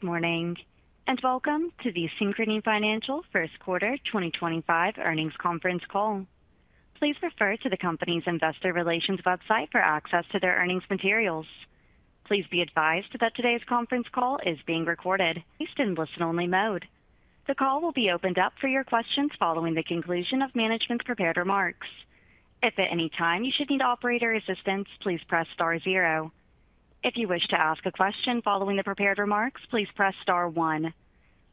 Good morning and welcome to the Synchrony Financial First Quarter 2025 earnings conference call. Please refer to the company's investor relations website for access to their earnings materials. Please be advised that today's conference call is being recorded. Please listen only. The call will be opened up for your questions following the conclusion of management's prepared remarks. If at any time you should need operator assistance, please press star zero. If you wish to ask a question following the prepared remarks, please press star one.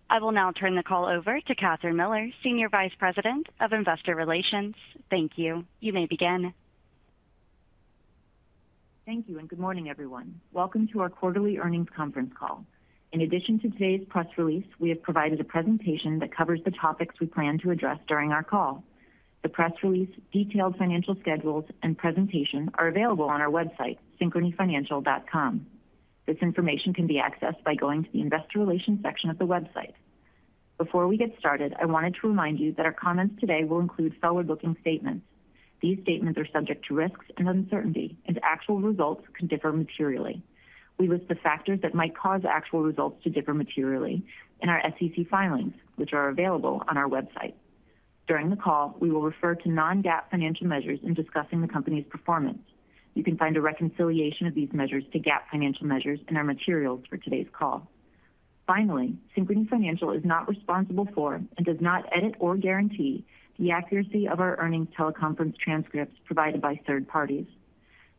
I will now turn the call over to Kathryn Miller, Senior Vice President of Investor Relations. Thank you. You may begin. Thank you and good morning, everyone. Welcome to our quarterly earnings conference call. In addition to today's press release, we have provided a presentation that covers the topics we plan to address during our call. The press release, detailed financial schedules, and presentation are available on our website, synchronyfinancial.com. This information can be accessed by going to the investor relations section of the website. Before we get started, I wanted to remind you that our comments today will include forward-looking statements. These statements are subject to risks and uncertainty, and actual results can differ materially. We list the factors that might cause actual results to differ materially in our SEC filings, which are available on our website. During the call, we will refer to non-GAAP financial measures in discussing the company's performance. You can find a reconciliation of these measures to GAAP financial measures in our materials for today's call. Finally, Synchrony Financial is not responsible for and does not edit or guarantee the accuracy of our earnings teleconference transcripts provided by third parties.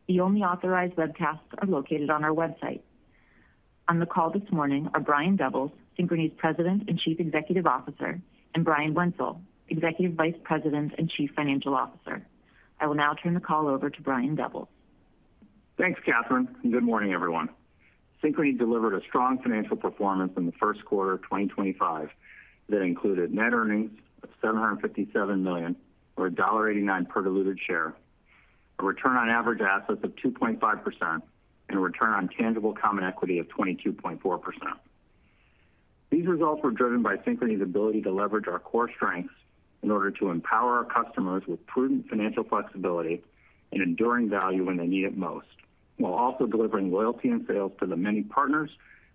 The only authorized webcasts are located on our website. On the call this morning are Brian Doubles, Synchrony's President and Chief Executive Officer, and Brian Wenzel, Executive Vice President and Chief Financial Officer. I will now turn the call over to Brian Doubles. Thanks, Kathryn, and good morning, everyone. Synchrony delivered a strong financial performance in the first quarter of 2025 that included net earnings of $757 million, or $1.89 per diluted share, a return on average assets of 2.5%, and a return on tangible common equity of 22.4%. These results were driven by Synchrony's ability to leverage our core strengths in order to empower our customers with prudent financial flexibility and enduring value when they need it most, while also delivering loyalty and sales to the many partners,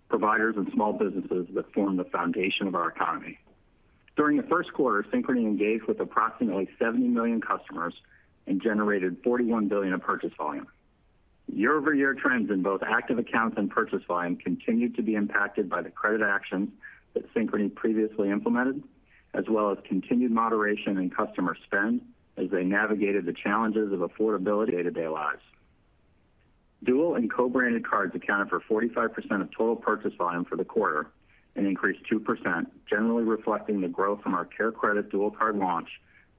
providers, and small businesses that form the foundation of our economy. During the first quarter, Synchrony engaged with approximately 70 million customers and generated $41 billion in purchase volume. Year-over-year trends in both active accounts and purchase volume continued to be impacted by the credit actions that Synchrony previously implemented, as well as continued moderation in customer spend as they navigated the challenges of affordability. Day-to-day lives. Dual and co-branded cards accounted for 45% of total purchase volume for the quarter and increased 2%, generally reflecting the growth from our CareCredit dual card launch,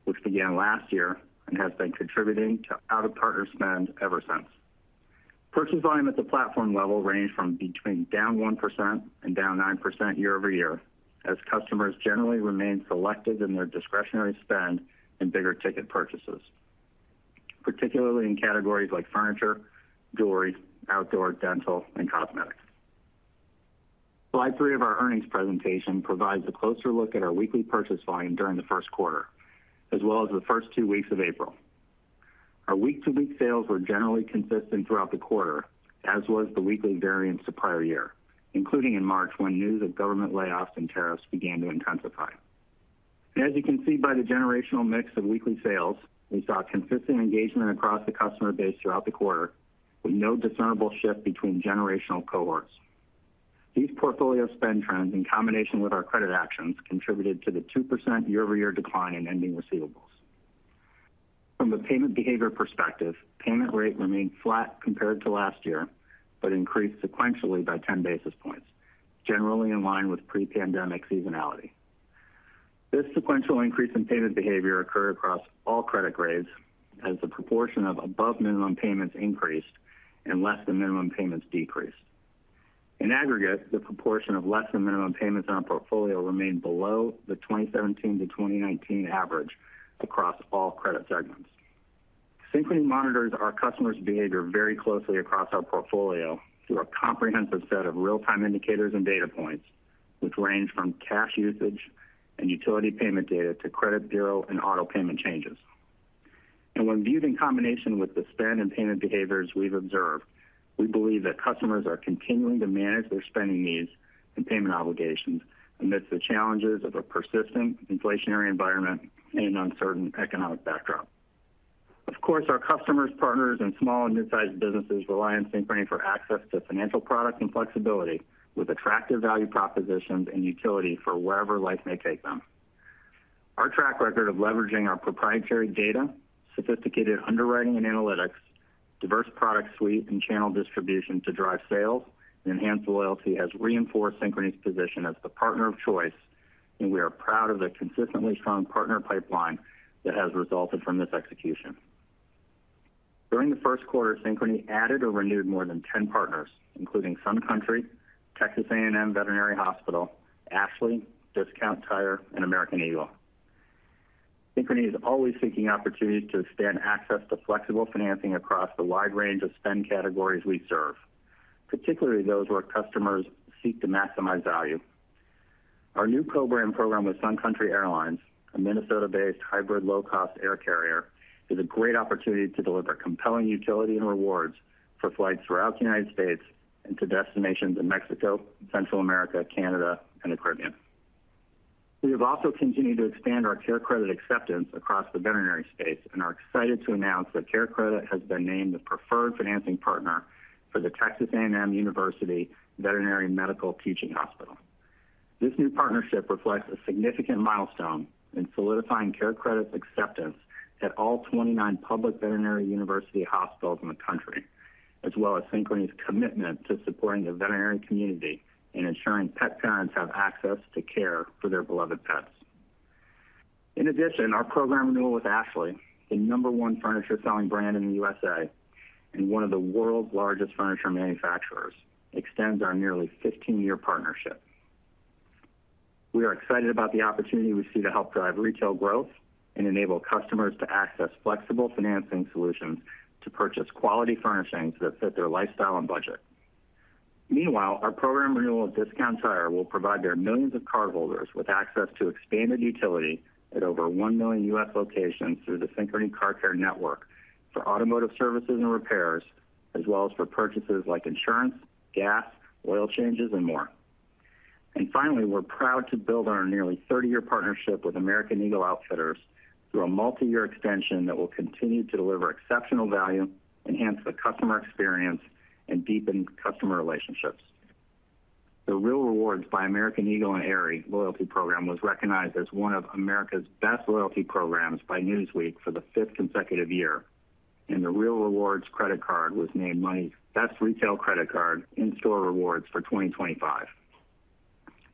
which began last year and has been contributing to out-of-partner spend ever since. Purchase volume at the platform level ranged from between down 1% and down 9% year-over-year, as customers generally remained selective in their discretionary spend and bigger ticket purchases, particularly in categories like furniture, jewelry, outdoor, dental, and cosmetics. Slide three of our earnings presentation provides a closer look at our weekly purchase volume during the first quarter, as well as the first two weeks of April. Our week-to-week sales were generally consistent throughout the quarter, as was the weekly variance the prior year, including in March when news of government layoffs and tariffs began to intensify. As you can see by the generational mix of weekly sales, we saw consistent engagement across the customer base throughout the quarter, with no discernible shift between generational cohorts. These portfolio spend trends, in combination with our credit actions, contributed to the 2% year-over-year decline in ending receivables. From a payment behavior perspective, payment rate remained flat compared to last year but increased sequentially by 10 basis points, generally in line with pre-pandemic seasonality. This sequential increase in payment behavior occurred across all credit grades, as the proportion of above-minimum payments increased and less-than-minimum payments decreased. In aggregate, the proportion of less-than-minimum payments in our portfolio remained below the 2017-2019 average across all credit segments. Synchrony monitors our customers' behavior very closely across our portfolio through a comprehensive set of real-time indicators and data points, which range from cash usage and utility payment data to credit bureau and auto payment changes. When viewed in combination with the spend and payment behaviors we've observed, we believe that customers are continuing to manage their spending needs and payment obligations amidst the challenges of a persistent inflationary environment and uncertain economic backdrop. Of course, our customers, partners, and small and mid-sized businesses rely on Synchrony for access to financial products and flexibility with attractive value propositions and utility for wherever life may take them. Our track record of leveraging our proprietary data, sophisticated underwriting and analytics, diverse product suite, and channel distribution to drive sales and enhance loyalty has reinforced Synchrony's position as the partner of choice, and we are proud of the consistently strong partner pipeline that has resulted from this execution. During the first quarter, Synchrony added or renewed more than 10 partners, including Sun Country, Texas A&M Veterinary Hospital, Ashley, Discount Tire, and American Eagle. Synchrony is always seeking opportunities to expand access to flexible financing across the wide range of spend categories we serve, particularly those where customers seek to maximize value. Our new co-brand program with Sun Country Airlines, a Minnesota-based hybrid low-cost air carrier, is a great opportunity to deliver compelling utility and rewards for flights throughout the United States and to destinations in Mexico, Central America, Canada, and the Caribbean. We have also continued to expand our CareCredit acceptance across the veterinary space, and are excited to announce that CareCredit has been named the preferred financing partner for the Texas A&M University Veterinary Medical Teaching Hospital. This new partnership reflects a significant milestone in solidifying CareCredit's acceptance at all 29 public veterinary university hospitals in the country, as well as Synchrony's commitment to supporting the veterinary community and ensuring pet parents have access to care for their beloved pets. In addition, our program renewal with Ashley, the number one furniture-selling brand in the U.S.A. and one of the world's largest furniture manufacturers, extends our nearly 15-year partnership. We are excited about the opportunity we see to help drive retail growth and enable customers to access flexible financing solutions to purchase quality furnishings that fit their lifestyle and budget. Meanwhile, our program renewal of Discount Tire will provide their millions of cardholders with access to expanded utility at over 1 million US locations through the Synchrony Car Care network for automotive services and repairs, as well as for purchases like insurance, gas, oil changes, and more. Finally, we're proud to build on our nearly 30-year partnership with American Eagle Outfitters through a multi-year extension that will continue to deliver exceptional value, enhance the customer experience, and deepen customer relationships. The Real Rewards by American Eagle and Aerie Loyalty Program was recognized as one of America's best loyalty programs by Newsweek for the fifth consecutive year, and the Real Rewards credit card was named Money's Best Retail Credit Card in-store rewards for 2025.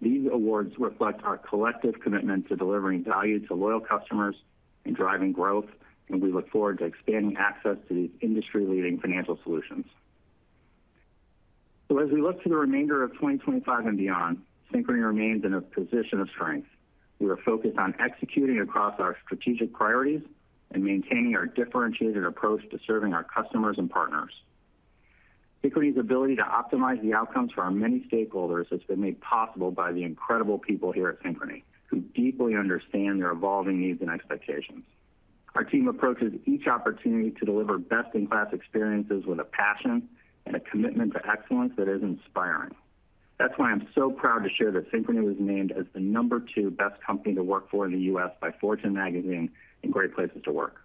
These awards reflect our collective commitment to delivering value to loyal customers and driving growth, and we look forward to expanding access to these industry-leading financial solutions. As we look to the remainder of 2025 and beyond, Synchrony remains in a position of strength. We are focused on executing across our strategic priorities and maintaining our differentiated approach to serving our customers and partners. Synchrony's ability to optimize the outcomes for our many stakeholders has been made possible by the incredible people here at Synchrony, who deeply understand their evolving needs and expectations. Our team approaches each opportunity to deliver best-in-class experiences with a passion and a commitment to excellence that is inspiring. That's why I'm so proud to share that Synchrony was named as the number two best company to work for in the U.S. by Fortune Magazine and Great Place to Work.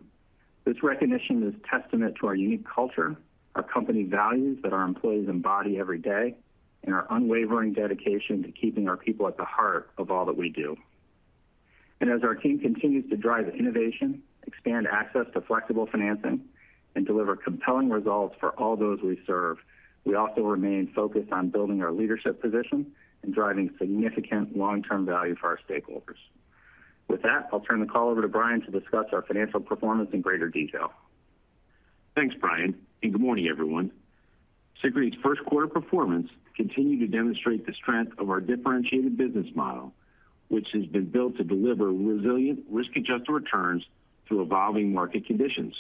This recognition is a testament to our unique culture, our company values that our employees embody every day, and our unwavering dedication to keeping our people at the heart of all that we do. As our team continues to drive innovation, expand access to flexible financing, and deliver compelling results for all those we serve, we also remain focused on building our leadership position and driving significant long-term value for our stakeholders. With that, I'll turn the call over to Brian to discuss our financial performance in greater detail. Thanks, Brian, and good morning, everyone. Synchrony's first quarter performance continued to demonstrate the strength of our differentiated business model, which has been built to deliver resilient, risk-adjusted returns through evolving market conditions.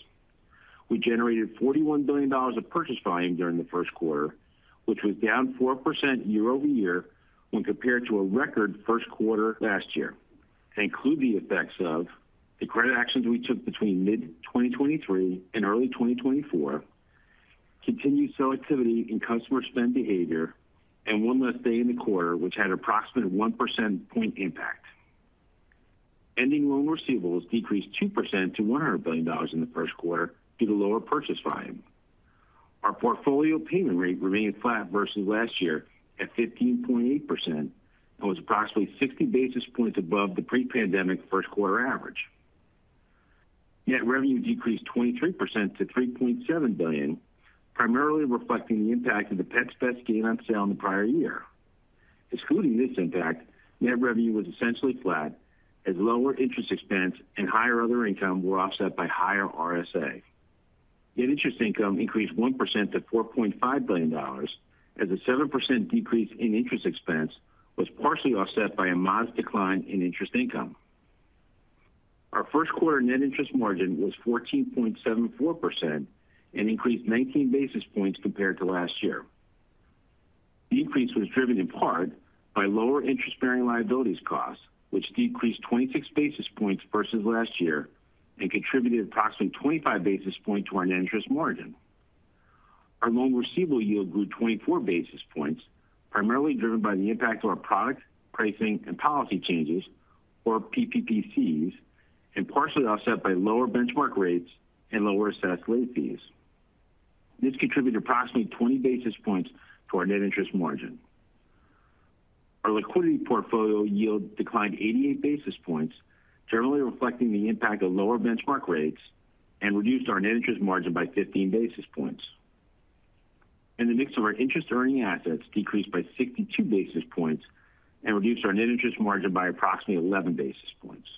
We generated $41 billion of purchase volume during the first quarter, which was down 4% year-over-year when compared to a record first quarter last year. That included the effects of the credit actions we took between mid-2023 and early 2024, continued selectivity in customer spend behavior, and one less day in the quarter, which had an approximate 1 percentage point impact. Ending loan receivables decreased 2% to $100 billion in the first quarter due to lower purchase volume. Our portfolio payment rate remained flat versus last year at 15.8% and was approximately 60 basis points above the pre-pandemic first quarter average. Net revenue decreased 23% to $3.7 billion, primarily reflecting the impact of the Pets Best gain on sale in the prior year. Excluding this impact, net revenue was essentially flat, as lower interest expense and higher other income were offset by higher RSA. Net interest income increased 1% to $4.5 billion, as a 7% decrease in interest expense was partially offset by a modest decline in interest income. Our first quarter net interest margin was 14.74% and increased 19 basis points compared to last year. The increase was driven in part by lower interest-bearing liabilities costs, which decreased 26 basis points versus last year and contributed approximately 25 basis points to our net interest margin. Our loan receivable yield grew 24 basis points, primarily driven by the impact of our product pricing and policy changes, or PPPCs, and partially offset by lower benchmark rates and lower assessed late fees. This contributed approximately 20 basis points to our net interest margin. Our liquidity portfolio yield declined 88 basis points, generally reflecting the impact of lower benchmark rates, and reduced our net interest margin by 15 basis points. In the mix of our interest-earning assets, decreased by 62 basis points and reduced our net interest margin by approximately 11 basis points.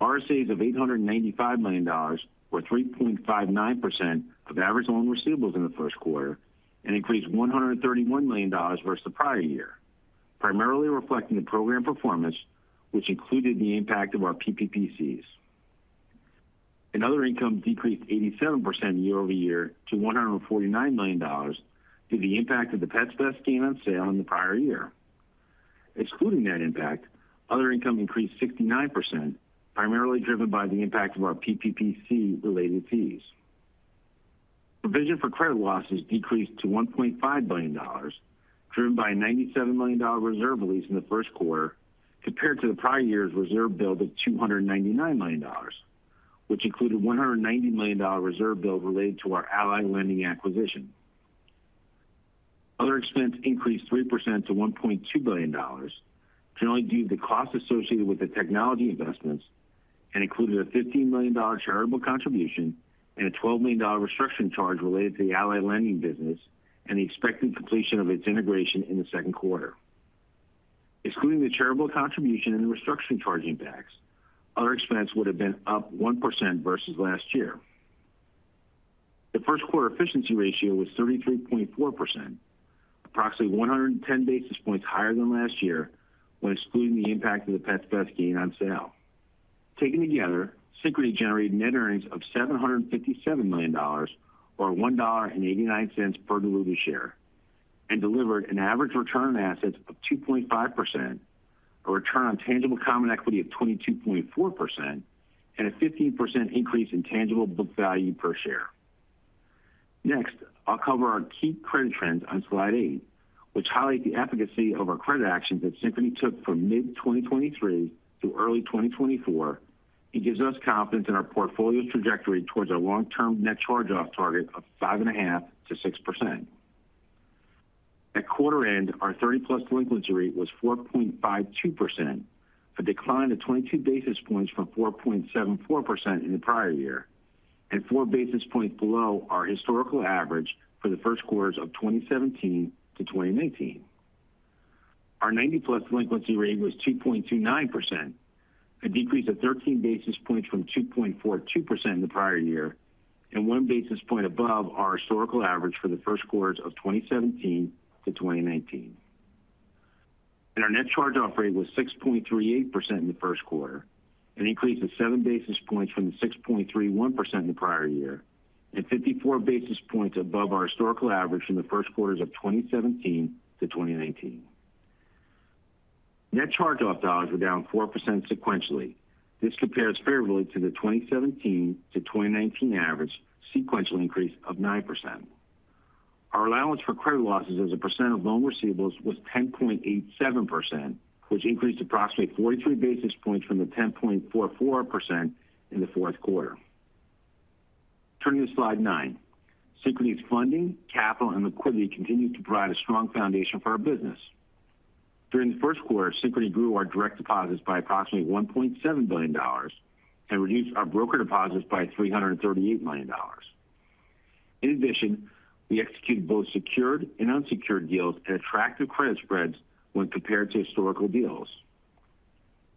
RSAs of $895 million were 3.59% of average loan receivables in the first quarter and increased $131 million versus the prior year, primarily reflecting the program performance, which included the impact of our PPPCs. Other income decreased 87% year-over-year to $149 million due to the impact of the Pets Best gain on sale in the prior year. Excluding that impact, other income increased 69%, primarily driven by the impact of our PPPC-related fees. Provision for credit losses decreased to $1.5 billion, driven by a $97 million reserve release in the first quarter compared to the prior year's reserve build of $299 million, which included a $190 million reserve build related to our Ally Lending acquisition. Other expense increased 3% to $1.2 billion, generally due to the cost associated with the technology investments, and included a $15 million charitable contribution and a $12 million restructuring charge related to the Ally Lending business and the expected completion of its integration in the second quarter. Excluding the charitable contribution and the restructuring charge impacts, other expense would have been up 1% versus last year. The first quarter efficiency ratio was 33.4%, approximately 110 basis points higher than last year when excluding the impact of the Pets Best gain on sale. Taken together, Synchrony generated net earnings of $757 million, or $1.89 per diluted share, and delivered an average return on assets of 2.5%, a return on tangible common equity of 22.4%, and a 15% increase in tangible book value per share. Next, I'll cover our key credit trends on slide 8, which highlight the efficacy of our credit actions that Synchrony took from mid-2023 through early 2024 and gives us confidence in our portfolio's trajectory towards our long-term net charge-off target of 5.5%-6%. At quarter end, our 30-plus delinquency rate was 4.52%, a decline of 22 basis points from 4.74% in the prior year, and 4 basis points below our historical average for the first quarters of 2017 to 2019. Our 90-plus delinquency rate was 2.29%, a decrease of 13 basis points from 2.42% in the prior year, and 1 basis point above our historical average for the first quarters of 2017 to 2019. Our net charge-off rate was 6.38% in the first quarter, an increase of 7 basis points from the 6.31% in the prior year, and 54 basis points above our historical average from the first quarters of 2017 to 2019. Net charge-off dollars were down 4% sequentially. This compares favorably to the 2017 to 2019 average sequential increase of 9%. Our allowance for credit losses as a percent of loan receivables was 10.87%, which increased approximately 43 basis points from the 10.44% in the fourth quarter. Turning to slide nine, Synchrony's funding, capital, and liquidity continues to provide a strong foundation for our business. During the first quarter, Synchrony grew our direct deposits by approximately $1.7 billion and reduced our broker deposits by $338 million. In addition, we executed both secured and unsecured deals and attractive credit spreads when compared to historical deals.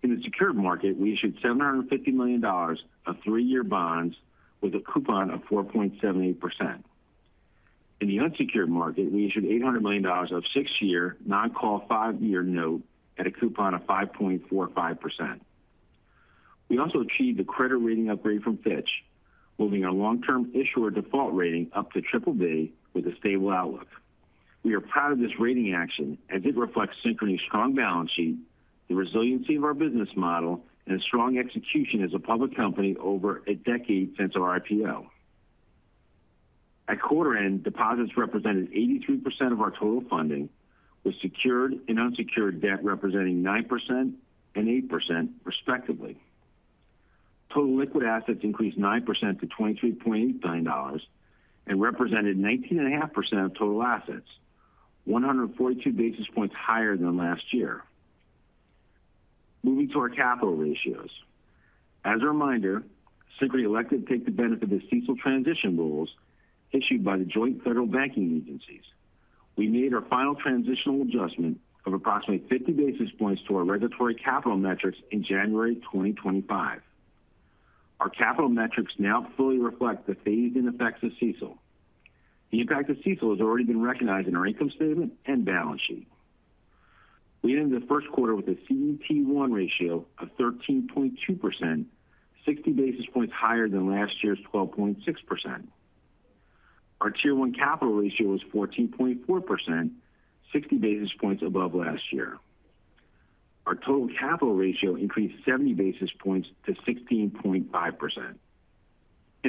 In the secured market, we issued $750 million of three-year bonds with a coupon of 4.78%. In the unsecured market, we issued $800 million of six-year non-call five-year note at a coupon of 5.45%. We also achieved a credit rating upgrade from Fitch, moving our long-term issuer default rating up to triple B with a stable outlook. We are proud of this rating action as it reflects Synchrony's strong balance sheet, the resiliency of our business model, and strong execution as a public company over a decade since our IPO. At quarter end, deposits represented 83% of our total funding, with secured and unsecured debt representing 9% and 8% respectively. Total liquid assets increased 9% to $23.8 billion and represented 19.5% of total assets, 142 basis points higher than last year. Moving to our capital ratios. As a reminder, Synchrony elected to take the benefit of CECL transition rules issued by the joint federal banking agencies. We made our final transitional adjustment of approximately 50 basis points to our regulatory capital metrics in January 2025. Our capital metrics now fully reflect the phase-in effects of CECL. The impact of CECL has already been recognized in our income statement and balance sheet. We ended the first quarter with a CET1 ratio of 13.2%, 60 basis points higher than last year's 12.6%. Our Tier 1 capital ratio was 14.4%, 60 basis points above last year. Our total capital ratio increased 70 basis points to 16.5%.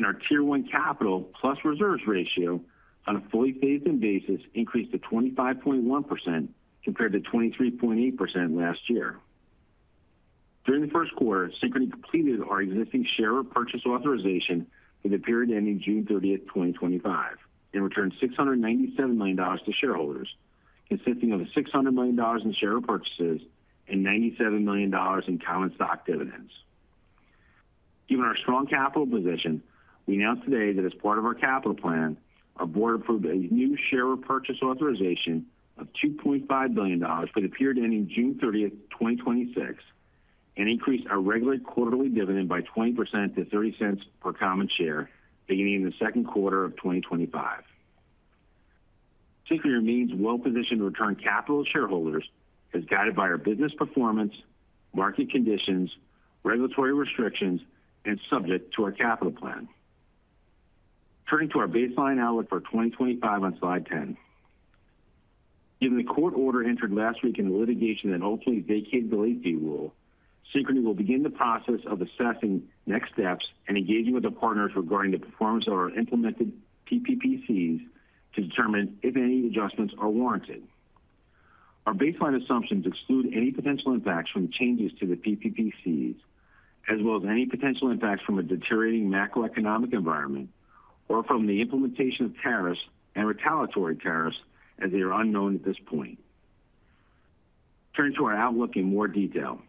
Our Tier 1 capital plus reserves ratio on a fully phased-in basis increased to 25.1% compared to 23.8% last year. During the first quarter, Synchrony completed our existing share purchase authorization for the period ending June 30th, 2025, and returned $697 million to shareholders, consisting of $600 million in share purchases and $97 million in common stock dividends. Given our strong capital position, we announced today that as part of our capital plan, our board approved a new share purchase authorization of $2.5 billion for the period ending June 30, 2026, and increased our regular quarterly dividend by 20% to $0.30 per common share beginning in the second quarter of 2025. Synchrony remains well-positioned to return capital to shareholders as guided by our business performance, market conditions, regulatory restrictions, and subject to our capital plan. Turning to our baseline outlook for 2025 on slide 10. Given the court order entered last week in the litigation that ultimately vacated the late fee rule, Synchrony will begin the process of assessing next steps and engaging with our partners regarding the performance of our implemented PPPCs to determine if any adjustments are warranted. Our baseline assumptions exclude any potential impacts from changes to the PPPCs, as well as any potential impacts from a deteriorating macroeconomic environment or from the implementation of tariffs and retaliatory tariffs, as they are unknown at this point. Turning to our outlook in more detail.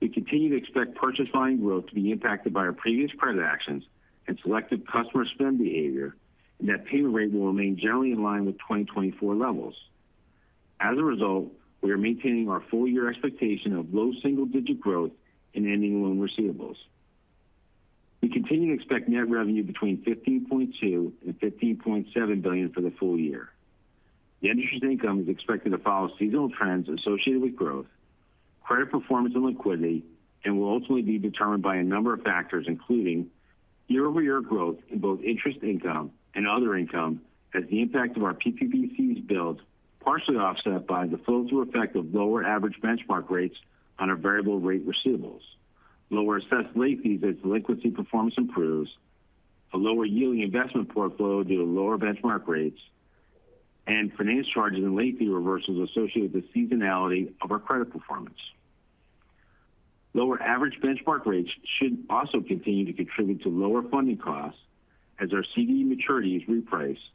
We continue to expect purchase volume growth to be impacted by our previous credit actions and selective customer spend behavior, and that payment rate will remain generally in line with 2024 levels. As a result, we are maintaining our full-year expectation of low single-digit growth in ending loan receivables. We continue to expect net revenue between $15.2 billion and $15.7 billion for the full year. The industry's income is expected to follow seasonal trends associated with growth, credit performance, and liquidity, and will ultimately be determined by a number of factors, including year-over-year growth in both interest income and other income, as the impact of our PPPCs builds partially offset by the full-through effect of lower average benchmark rates on our variable-rate receivables, lower assessed late fees as liquidity performance improves, a lower yielding investment portfolio due to lower benchmark rates, and finance charges and late fee reversals associated with the seasonality of our credit performance. Lower average benchmark rates should also continue to contribute to lower funding costs as our CD maturity is repriced,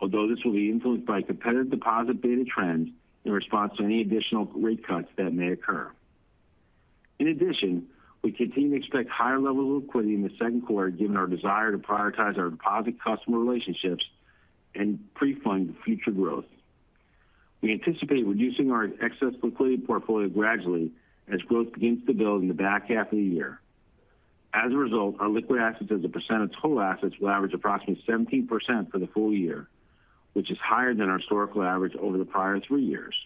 although this will be influenced by competitive deposit data trends in response to any additional rate cuts that may occur. In addition, we continue to expect higher levels of liquidity in the second quarter, given our desire to prioritize our deposit customer relationships and pre-fund future growth. We anticipate reducing our excess liquidity portfolio gradually as growth begins to build in the back half of the year. As a result, our liquid assets as a percent of total assets will average approximately 17% for the full year, which is higher than our historical average over the prior three years.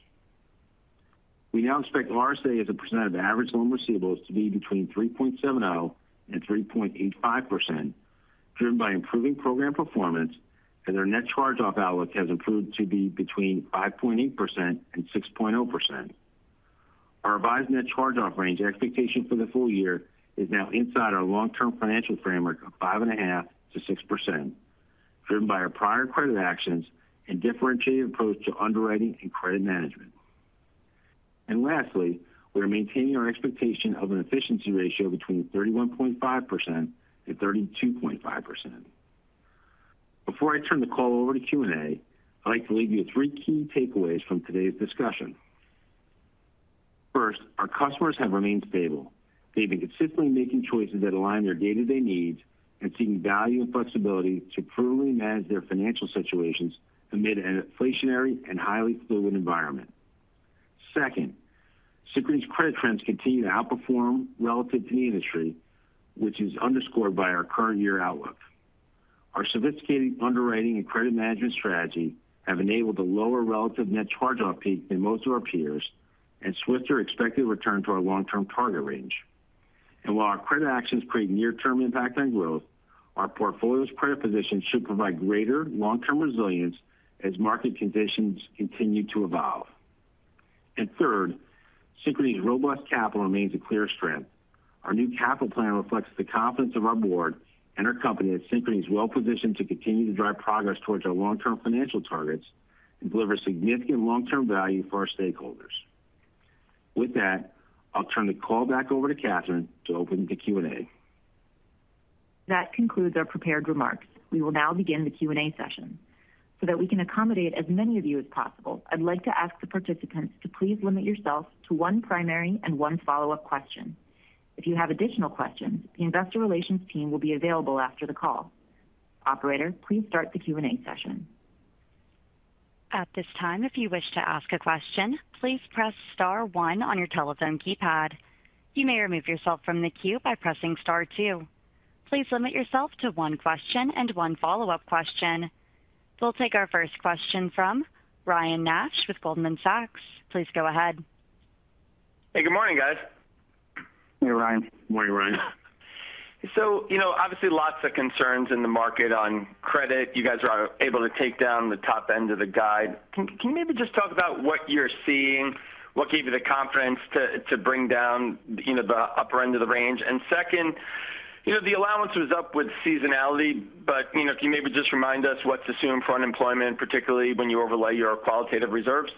We now expect RSA as a percent of average loan receivables to be between 3.70%-3.85%, driven by improving program performance, as our net charge-off outlook has improved to be between 5.8%-6.0%. Our revised net charge-off range expectation for the full year is now inside our long-term financial framework of 5.5%-6%, driven by our prior credit actions and differentiated approach to underwriting and credit management. Lastly, we are maintaining our expectation of an efficiency ratio between 31.5% and 32.5%. Before I turn the call over to Q&A, I'd like to leave you with three key takeaways from today's discussion. First, our customers have remained stable. They've been consistently making choices that align their day-to-day needs and seeking value and flexibility to provenly manage their financial situations amid an inflationary and highly fluid environment. Second, Synchrony's credit trends continue to outperform relative to the industry, which is underscored by our current year outlook. Our sophisticated underwriting and credit management strategy have enabled a lower relative net charge-off peak than most of our peers and swift or expected return to our long-term target range. While our credit actions create near-term impact on growth, our portfolio's credit position should provide greater long-term resilience as market conditions continue to evolve. Third, Synchrony's robust capital remains a clear strength. Our new capital plan reflects the confidence of our board and our company that Synchrony is well-positioned to continue to drive progress towards our long-term financial targets and deliver significant long-term value for our stakeholders. With that, I'll turn the call back over to Catherine to open the Q&A. That concludes our prepared remarks. We will now begin the Q&A session. So that we can accommodate as many of you as possible, I'd like to ask the participants to please limit yourself to one primary and one follow-up question. If you have additional questions, the investor relations team will be available after the call. Operator, please start the Q&A session. At this time, if you wish to ask a question, please press Star one on your telephone keypad. You may remove yourself from the queue by pressing Star two. Please limit yourself to one question and one follow-up question. We'll take our first question from Ryan Nash with Goldman Sachs. Please go ahead. Hey, good morning, guys. Hey, Ryan. Morning, Ryan. You know, obviously lots of concerns in the market on credit. You guys were able to take down the top end of the guide. Can you maybe just talk about what you're seeing? What gave you the confidence to bring down the upper end of the range? Second, you know, the allowance was up with seasonality, but you know, can you maybe just remind us what's assumed for unemployment, particularly when you overlay your qualitative reserves?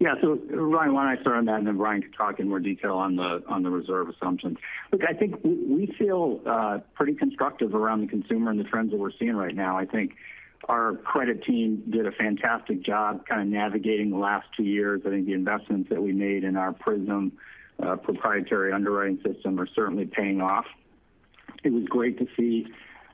Yeah, Ryan, why don't I start on that, and then Brian can talk in more detail on the reserve assumptions. Look, I think we feel pretty constructive around the consumer and the trends that we're seeing right now. I think our credit team did a fantastic job kind of navigating the last two years. I think the investments that we made in our Prism proprietary underwriting system are certainly paying off. It was great to see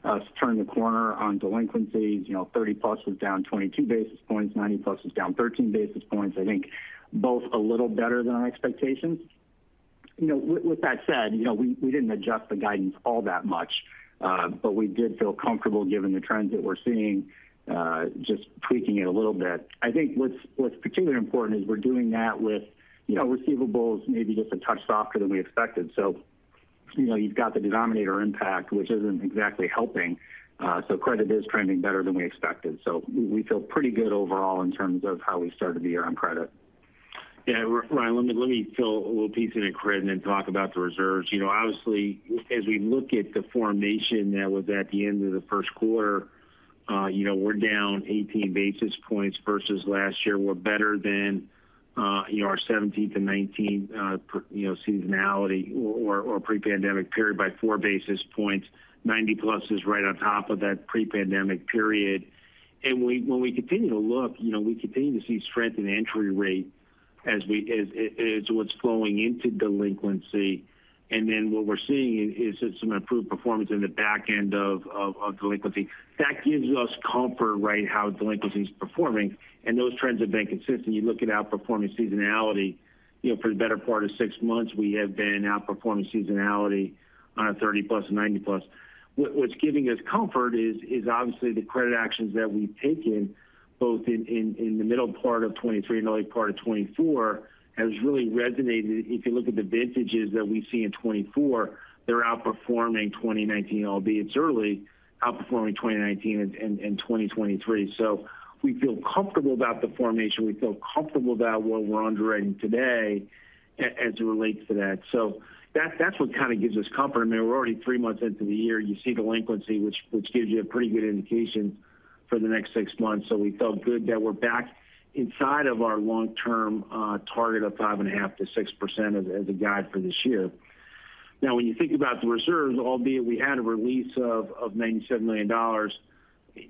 us turn the corner on delinquencies. You know, 30-plus was down 22 basis points, 90-plus was down 13 basis points. I think both a little better than our expectations. You know, with that said, you know, we did not adjust the guidance all that much, but we did feel comfortable given the trends that we are seeing, just tweaking it a little bit. I think what is particularly important is we are doing that with, you know, receivables maybe just a touch softer than we expected. You know, you have got the denominator impact, which is not exactly helping. Credit is trending better than we expected. We feel pretty good overall in terms of how we started the year on credit. Yeah, Ryan, let me fill a little piece in here, Credit, and then talk about the reserves. You know, obviously, as we look at the formation that was at the end of the first quarter, you know, we're down 18 basis points versus last year. We're better than, you know, our 17-19, you know, seasonality or pre-pandemic period by four basis points. 90-plus is right on top of that pre-pandemic period. When we continue to look, you know, we continue to see strength in the entry rate as we as what's flowing into delinquency. What we're seeing is some improved performance in the back end of delinquency. That gives us comfort, right, how delinquency is performing. Those trends have been consistent. You look at outperforming seasonality, you know, for the better part of six months, we have been outperforming seasonality on a 30-plus and 90-plus. What's giving us comfort is obviously the credit actions that we've taken both in the middle part of 2023 and the late part of 2024 has really resonated. If you look at the vintages that we see in 2024, they're outperforming 2019, albeit it's early, outperforming 2019 and 2023. We feel comfortable about the formation. We feel comfortable about what we're underwriting today as it relates to that. That's what kind of gives us comfort. I mean, we're already three months into the year. You see delinquency, which gives you a pretty good indication for the next six months. We felt good that we're back inside of our long-term target of 5.5%-6% as a guide for this year. Now, when you think about the reserves, albeit we had a release of $97 million,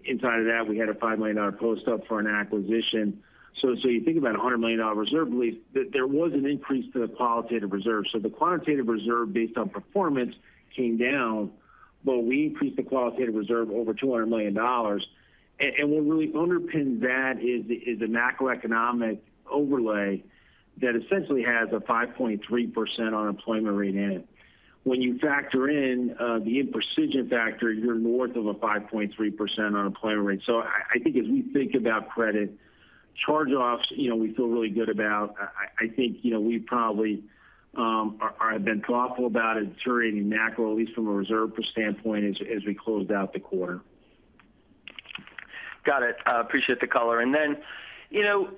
inside of that, we had a $5 million post-up for an acquisition. You think about a $100 million reserve release, there was an increase to the qualitative reserve. The quantitative reserve based on performance came down, but we increased the qualitative reserve over $200 million. What really underpins that is the macroeconomic overlay that essentially has a 5.3% unemployment rate in it. When you factor in the imprecision factor, you're north of a 5.3% unemployment rate. I think as we think about credit charge-offs, you know, we feel really good about. I think, you know, we probably have been thoughtful about it during macro, at least from a reserve standpoint, as we closed out the quarter. Got it. Appreciate the color. And then, you know,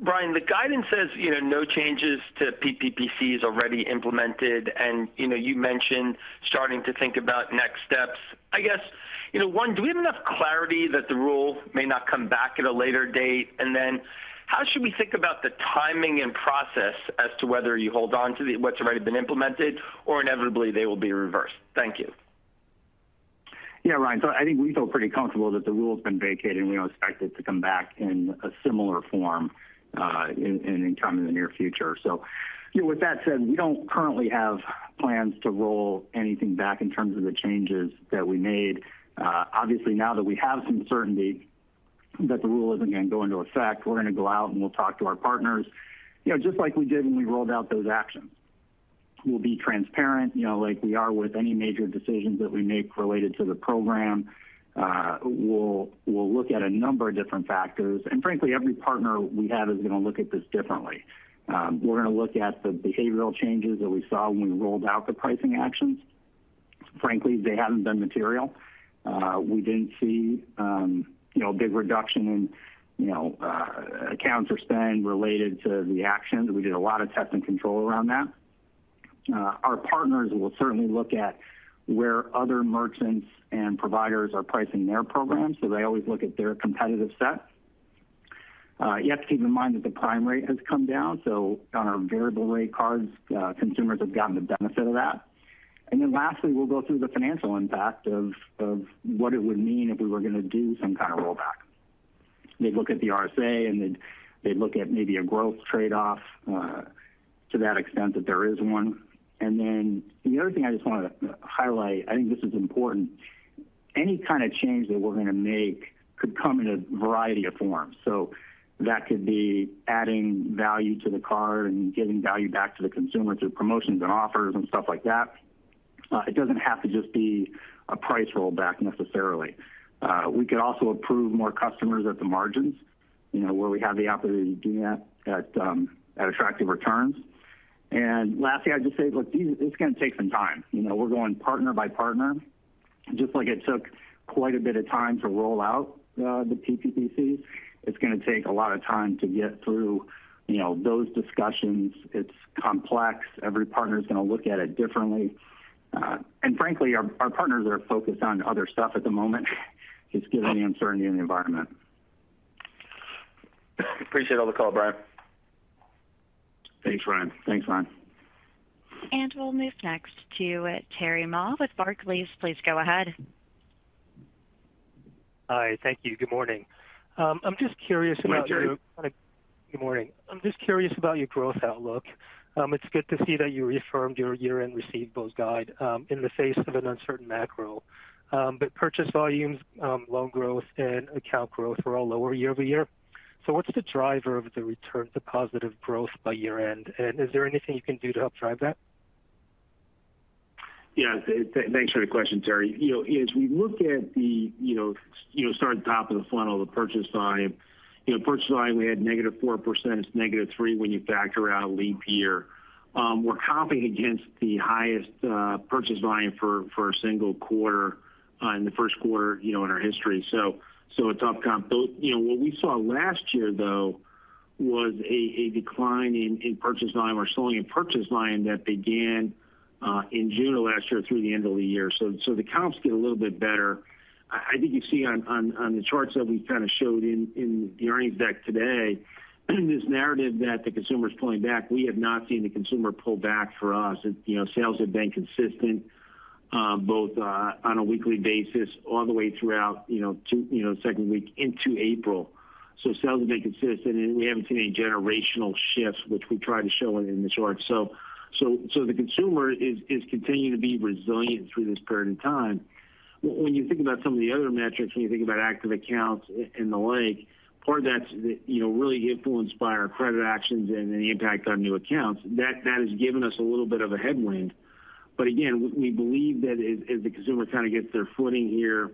Brian, the guidance says, you know, no changes to PPPCs already implemented. You know, you mentioned starting to think about next steps. I guess, you know, one, do we have enough clarity that the rule may not come back at a later date? How should we think about the timing and process as to whether you hold on to what's already been implemented or inevitably they will be reversed? Thank you. Yeah, Ryan, I think we feel pretty comfortable that the rule has been vacated, and we do not expect it to come back in a similar form in time in the near future. You know, with that said, we do not currently have plans to roll anything back in terms of the changes that we made. Obviously, now that we have some certainty that the rule is not going to go into effect, we are going to go out and we will talk to our partners, you know, just like we did when we rolled out those actions. We will be transparent, you know, like we are with any major decisions that we make related to the program. We will look at a number of different factors. Frankly, every partner we have is going to look at this differently. We are going to look at the behavioral changes that we saw when we rolled out the pricing actions. Frankly, they have not been material. We did not see, you know, a big reduction in, you know, accounts or spend related to the actions. We did a lot of test and control around that. Our partners will certainly look at where other merchants and providers are pricing their programs. They always look at their competitive set. You have to keep in mind that the prime rate has come down. On our variable-rate cards, consumers have gotten the benefit of that. Lastly, we'll go through the financial impact of what it would mean if we were going to do some kind of rollback. They'd look at the RSA, and they'd look at maybe a growth trade-off to that extent that there is one. The other thing I just want to highlight, I think this is important. Any kind of change that we're going to make could come in a variety of forms. That could be adding value to the card and giving value back to the consumer through promotions and offers and stuff like that. It doesn't have to just be a price rollback necessarily. We could also approve more customers at the margins, you know, where we have the opportunity to do that at attractive returns. Lastly, I'd just say, look, this is going to take some time. You know, we're going partner by partner, just like it took quite a bit of time to roll out the PPPCs. It's going to take a lot of time to get through, you know, those discussions. It's complex. Every partner is going to look at it differently. Frankly, our partners are focused on other stuff at the moment, just given the uncertainty in the environment. Appreciate all the call, Brian. Thanks, Ryan. Thanks, Ryan. We'll move next to Terry Ma with Barclays. Please go ahead. Hi, thank you. Good morning. I'm just curious about your. Good morning, Terry. Good morning. I'm just curious about your growth outlook. It's good to see that you reaffirmed your year-end receivables guide in the face of an uncertain macro. Purchase volumes, loan growth, and account growth were all lower year over year. What is the driver of the return to positive growth by year-end? Is there anything you can do to help drive that? Yeah, thanks for the question, Terry. You know, as we look at the, you know, start at the top of the funnel, the purchase volume, you know, purchase volume, we had negative 4%, negative 3% when you factor out a leap year. We are comping against the highest purchase volume for a single quarter in the first quarter, you know, in our history. It is up comp. You know, what we saw last year, though, was a decline in purchase volume, or slowing in purchase volume that began in June of last year through the end of the year. The comps get a little bit better. I think you see on the charts that we've kind of showed in the earnings deck today, this narrative that the consumer is pulling back, we have not seen the consumer pull back for us. You know, sales have been consistent both on a weekly basis all the way throughout, you know, the second week into April. Sales have been consistent, and we haven't seen any generational shifts, which we try to show in the charts. The consumer is continuing to be resilient through this period of time. When you think about some of the other metrics, when you think about active accounts and the like, part of that's, you know, really influenced by our credit actions and the impact on new accounts. That has given us a little bit of a headwind. Again, we believe that as the consumer kind of gets their footing here,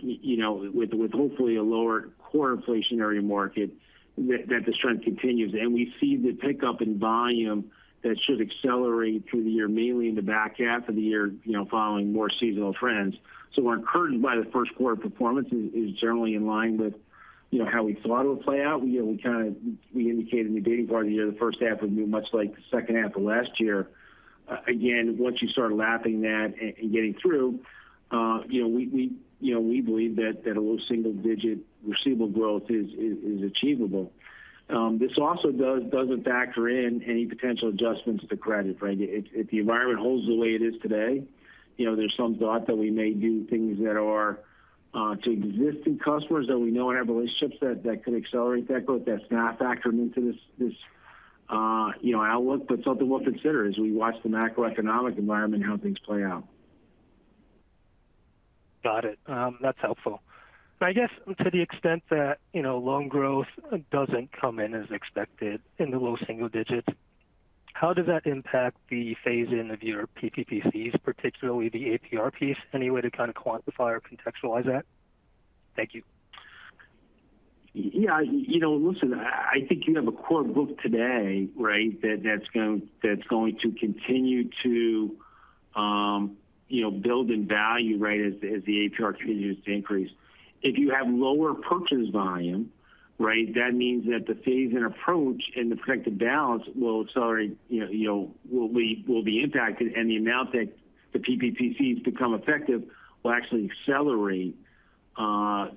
you know, with hopefully a lower core inflationary market, that the strength continues. We see the pickup in volume that should accelerate through the year, mainly in the back half of the year, you know, following more seasonal trends. Our curtain by the first quarter performance is generally in line with, you know, how we thought it would play out. You know, we kind of indicated in the beginning part of the year the first half would be much like the second half of last year. Again, once you start lapping that and getting through, you know, we believe that a low single-digit receivable growth is achievable. This also does not factor in any potential adjustments to credit, right? If the environment holds the way it is today, you know, there is some thought that we may do things that are to existing customers that we know and have relationships that could accelerate that growth. That is not factored into this, you know, outlook. Something we will consider as we watch the macroeconomic environment and how things play out. Got it. That is helpful. I guess to the extent that, you know, loan growth does not come in as expected in the low single digit, how does that impact the phase-in of your PPPCs, particularly the APR piece? Any way to kind of quantify or contextualize that? Thank you. Yeah, you know, listen, I think you have a core book today, right, that's going to continue to, you know, build in value, right, as the APR continues to increase. If you have lower purchase volume, right, that means that the phase-in approach and the protective balance will accelerate, you know, will be impacted. The amount that the PPPCs become effective will actually accelerate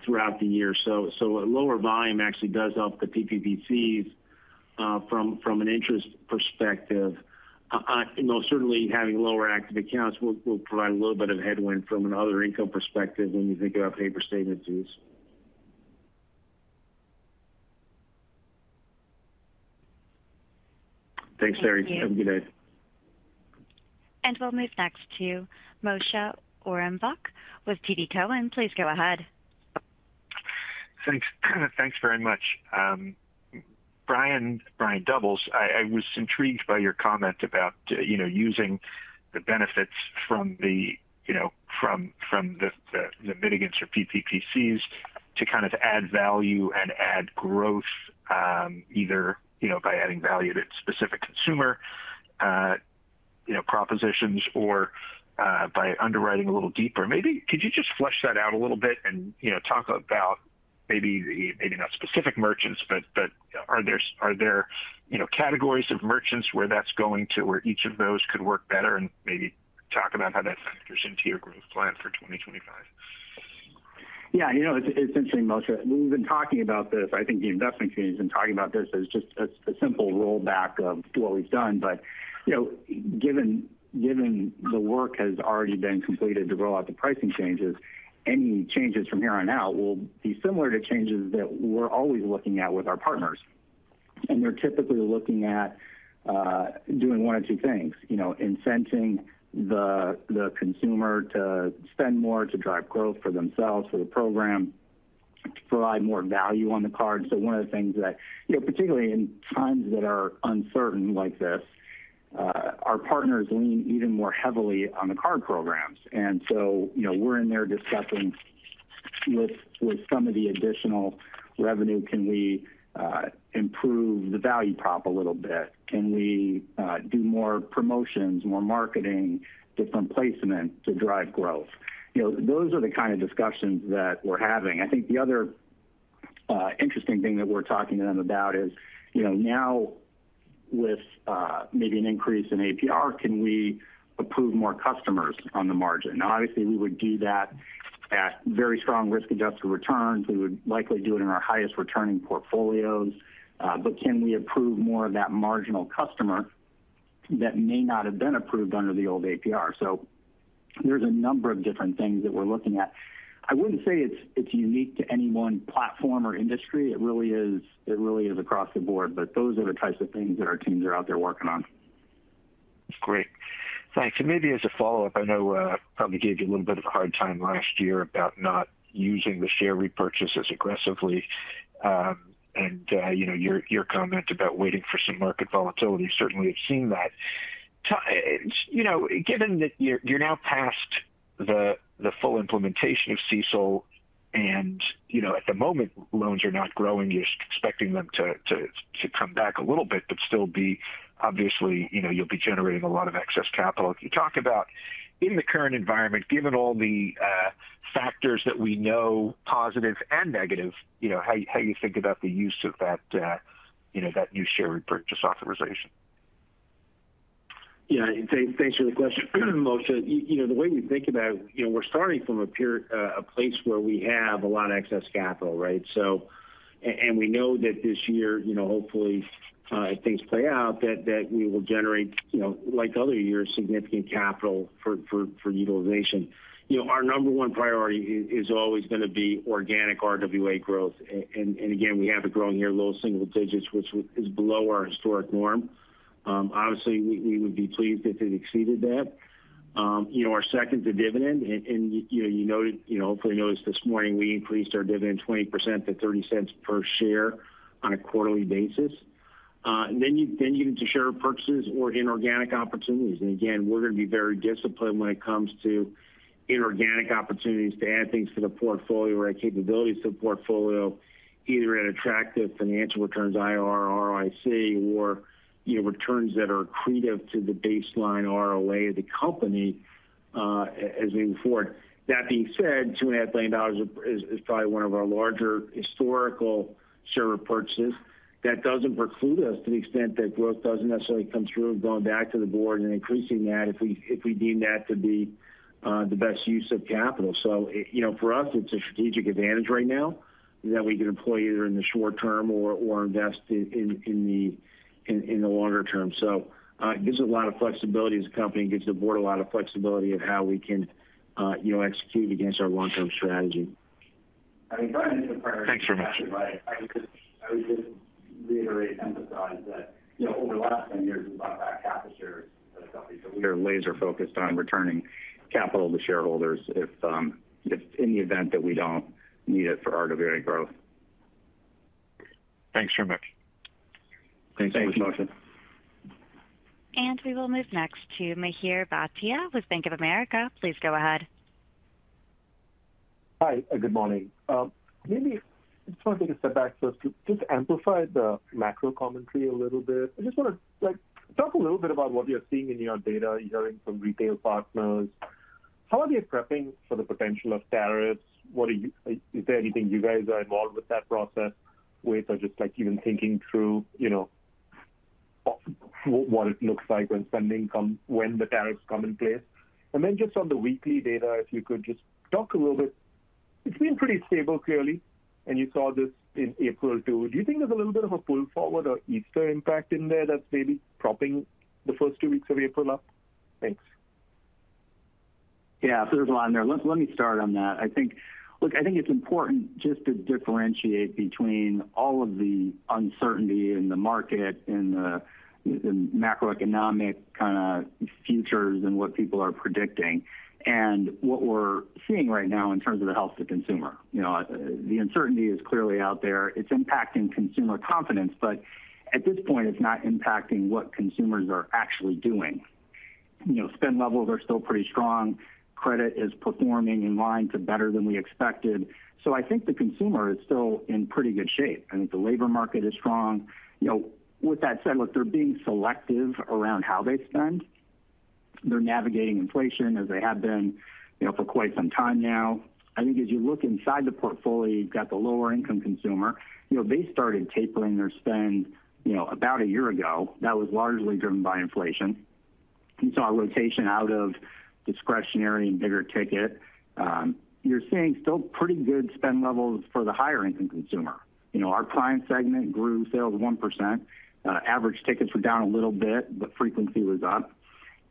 throughout the year. A lower volume actually does help the PPPCs from an interest perspective. Most certainly, having lower active accounts will provide a little bit of headwind from another income perspective when you think about paper statement dues. Thanks, Terry. Have a good day. We'll move next to Moshe Orenbuch with TD Cowen. Please go ahead. Thanks. Thanks very much. Brian Doubles, I was intrigued by your comment about, you know, using the benefits from the, you know, from the mitigants or PPPCs to kind of add value and add growth either, you know, by adding value to specific consumer, you know, propositions or by underwriting a little deeper. Maybe could you just flesh that out a little bit and, you know, talk about maybe the, maybe not specific merchants, but are there, you know, categories of merchants where that's going to where each of those could work better and maybe talk about how that factors into your growth plan for 2025? Yeah, you know, it's interesting, Moshe. We've been talking about this. I think the investment community has been talking about this as just a simple rollback of what we've done. You know, given the work has already been completed to roll out the pricing changes, any changes from here on out will be similar to changes that we're always looking at with our partners. They're typically looking at doing one of two things, you know, incenting the consumer to spend more to drive growth for themselves, for the program, to provide more value on the card. One of the things that, you know, particularly in times that are uncertain like this, our partners lean even more heavily on the card programs. You know, we're in there discussing with some of the additional revenue, can we improve the value prop a little bit? Can we do more promotions, more marketing, different placement to drive growth? You know, those are the kind of discussions that we're having. I think the other interesting thing that we're talking to them about is, you know, now with maybe an increase in APR, can we approve more customers on the margin? Now, obviously, we would do that at very strong risk-adjusted returns. We would likely do it in our highest returning portfolios. Can we approve more of that marginal customer that may not have been approved under the old APR? There are a number of different things that we're looking at. I would not say it's unique to any one platform or industry. It really is across the board. Those are the types of things that our teams are out there working on. Great. Thanks. Maybe as a follow-up, I know we probably gave you a little bit of a hard time last year about not using the share repurchases aggressively. You know, your comment about waiting for some market volatility, certainly have seen that. You know, given that you're now past the full implementation of CECL, and, you know, at the moment, loans are not growing, you're expecting them to come back a little bit, but still be, obviously, you know, you'll be generating a lot of excess capital. Can you talk about, in the current environment, given all the factors that we know, positive and negative, you know, how you think about the use of that, you know, that new share repurchase authorization? Yeah, thanks for the question, Moshe. You know, the way we think about it, you know, we're starting from a place where we have a lot of excess capital, right? We know that this year, you know, hopefully, if things play out, that we will generate, you know, like other years, significant capital for utilization. You know, our number one priority is always going to be organic RWA growth. Again, we have a growing year, low single digits, which is below our historic norm. Obviously, we would be pleased if it exceeded that. You know, our second to dividend, and you know, you noted, you know, hopefully noticed this morning, we increased our dividend 20% to $0.30 per share on a quarterly basis. You get into share repurchases or inorganic opportunities. We're going to be very disciplined when it comes to inorganic opportunities to add things to the portfolio or add capabilities to the portfolio, either at attractive financial returns, IRR, ROIC, or, you know, returns that are accretive to the baseline ROA of the company as we move forward. That being said, $2.5 billion is probably one of our larger historical share repurchases. That doesn't preclude us to the extent that growth doesn't necessarily come through going back to the board and increasing that if we deem that to be the best use of capital. You know, for us, it's a strategic advantage right now that we can employ either in the short term or invest in the longer term. It gives us a lot of flexibility as a company and gives the board a lot of flexibility of how we can, you know, execute against our long-term strategy. I mean, Brian is the priority. Thanks very much. I would just reiterate, emphasize that, you know, over the last 10 years, we bought back half the shares of the company. We are laser-focused on returning capital to shareholders if, in the event that we do not need it for our dividend growth. Thanks very much. Thanks, Moshe. We will move next to Mihir Bhatia with Bank of America. Please go ahead. Hi, good morning. Maybe I just want to take a step back first. Just to amplify the macro commentary a little bit, I just want to talk a little bit about what you are seeing in your data, hearing from retail partners. How are they prepping for the potential of tariffs? Is there anything you guys are involved with that process with, or just like even thinking through, you know, what it looks like when spending comes, when the tariffs come in place? Then just on the weekly data, if you could just talk a little bit. It's been pretty stable, clearly, and you saw this in April too. Do you think there's a little bit of a pull forward or Easter impact in there that's maybe propping the first two weeks of April up? Thanks. Yeah, there's a lot in there. Let me start on that. I think, look, I think it's important just to differentiate between all of the uncertainty in the market and the macroeconomic kind of futures and what people are predicting and what we're seeing right now in terms of the health of the consumer. You know, the uncertainty is clearly out there. It's impacting consumer confidence, but at this point, it's not impacting what consumers are actually doing. You know, spend levels are still pretty strong. Credit is performing in line to better than we expected. I think the consumer is still in pretty good shape. I think the labor market is strong. You know, with that said, look, they're being selective around how they spend. They're navigating inflation as they have been, you know, for quite some time now. I think as you look inside the portfolio, you've got the lower-income consumer. You know, they started tapering their spend, you know, about a year ago. That was largely driven by inflation. You saw a rotation out of discretionary and bigger ticket. You're seeing still pretty good spend levels for the higher-income consumer. You know, our client segment grew sales 1%. Average tickets were down a little bit, but frequency was up.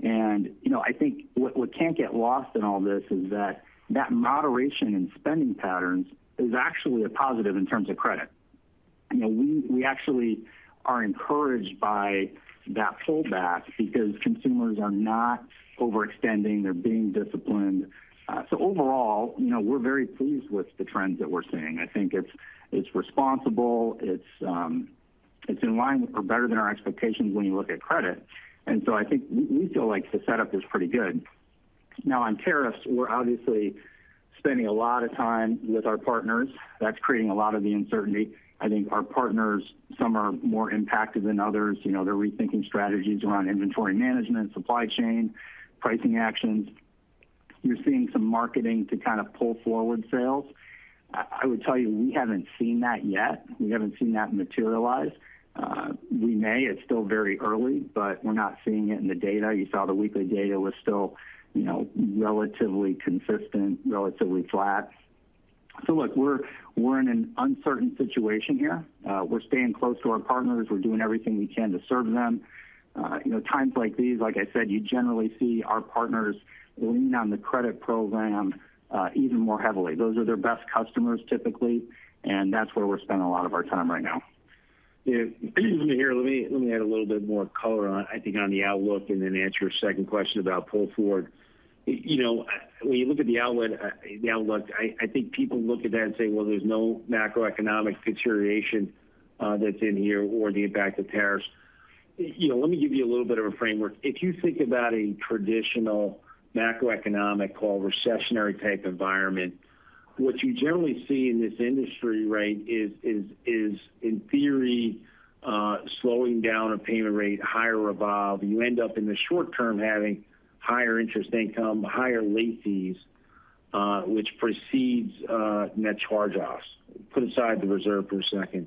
You know, I think what can't get lost in all this is that that moderation in spending patterns is actually a positive in terms of credit. You know, we actually are encouraged by that pullback because consumers are not overextending. They're being disciplined. Overall, you know, we're very pleased with the trends that we're seeing. I think it's responsible. It's in line or better than our expectations when you look at credit. I think we feel like the setup is pretty good. Now, on tariffs, we're obviously spending a lot of time with our partners. That's creating a lot of the uncertainty. I think our partners, some are more impacted than others. You know, they're rethinking strategies around inventory management, supply chain, pricing actions. You're seeing some marketing to kind of pull forward sales. I would tell you we haven't seen that yet. We haven't seen that materialize. We may. It's still very early, but we're not seeing it in the data. You saw the weekly data was still, you know, relatively consistent, relatively flat. Look, we're in an uncertain situation here. We're staying close to our partners. We're doing everything we can to serve them. You know, times like these, like I said, you generally see our partners lean on the credit program even more heavily. Those are their best customers typically, and that's where we're spending a lot of our time right now. Here, let me add a little bit more color on, I think, on the outlook and then answer your second question about pull forward. You know, when you look at the outlook, I think people look at that and say, well, there's no macroeconomic deterioration that's in here or the impact of tariffs. You know, let me give you a little bit of a framework. If you think about a traditional macroeconomic call recessionary type environment, what you generally see in this industry, right, is in theory slowing down a payment rate, higher revolve. You end up in the short term having higher interest income, higher late fees, which precedes net charge-offs. Put aside the reserve for a second.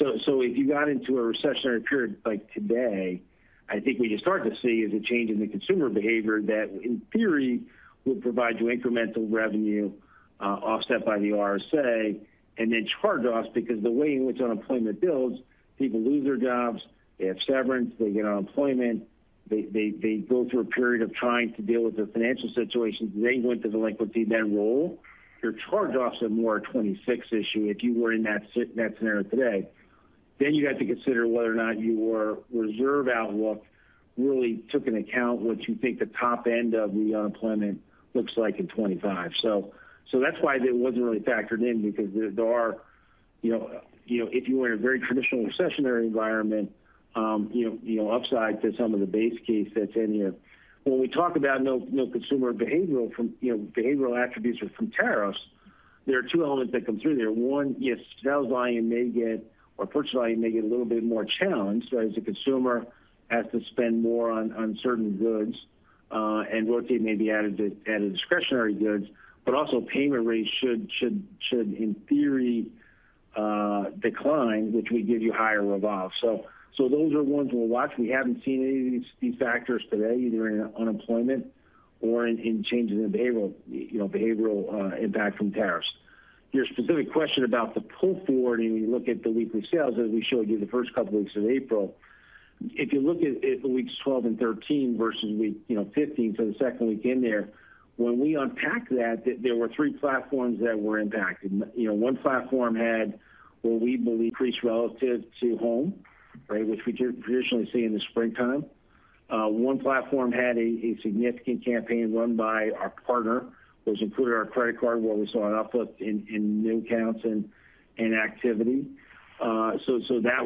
If you got into a recessionary period like today, I think what you start to see is a change in the consumer behavior that in theory would provide you incremental revenue offset by the RSA and then charge-offs because the way in which unemployment builds, people lose their jobs, they have severance, they get unemployment, they go through a period of trying to deal with their financial situations, they went to delinquency, then roll. Your charge-offs are more a 2026 issue if you were in that scenario today. You have to consider whether or not your reserve outlook really took into account what you think the top end of the unemployment looks like in 2025. That is why it was not really factored in because there are, you know, if you were in a very traditional recessionary environment, you know, upside to some of the base case that is in here. When we talk about, you know, consumer behavioral attributes from tariffs, there are two elements that come through there. One, yes, sales volume may get or purchase volume may get a little bit more challenged, right? So consumer has to spend more on certain goods and rotate maybe out of discretionary goods, but also payment rates should, in theory, decline, which would give you higher revolve. Those are the ones we will watch. We have not seen any of these factors today, either in unemployment or in changes in behavioral impact from tariffs. Your specific question about the pull forward, and we look at the weekly sales as we showed you the first couple of weeks of April, if you look at weeks 12 and 13 versus week, you know, 15, the second week in there, when we unpack that, there were three platforms that were impacted. You know, one platform had what we believe increased relative to home, right, which we traditionally see in the springtime. One platform had a significant campaign run by our partner, which included our credit card where we saw an uplift in new accounts and activity. That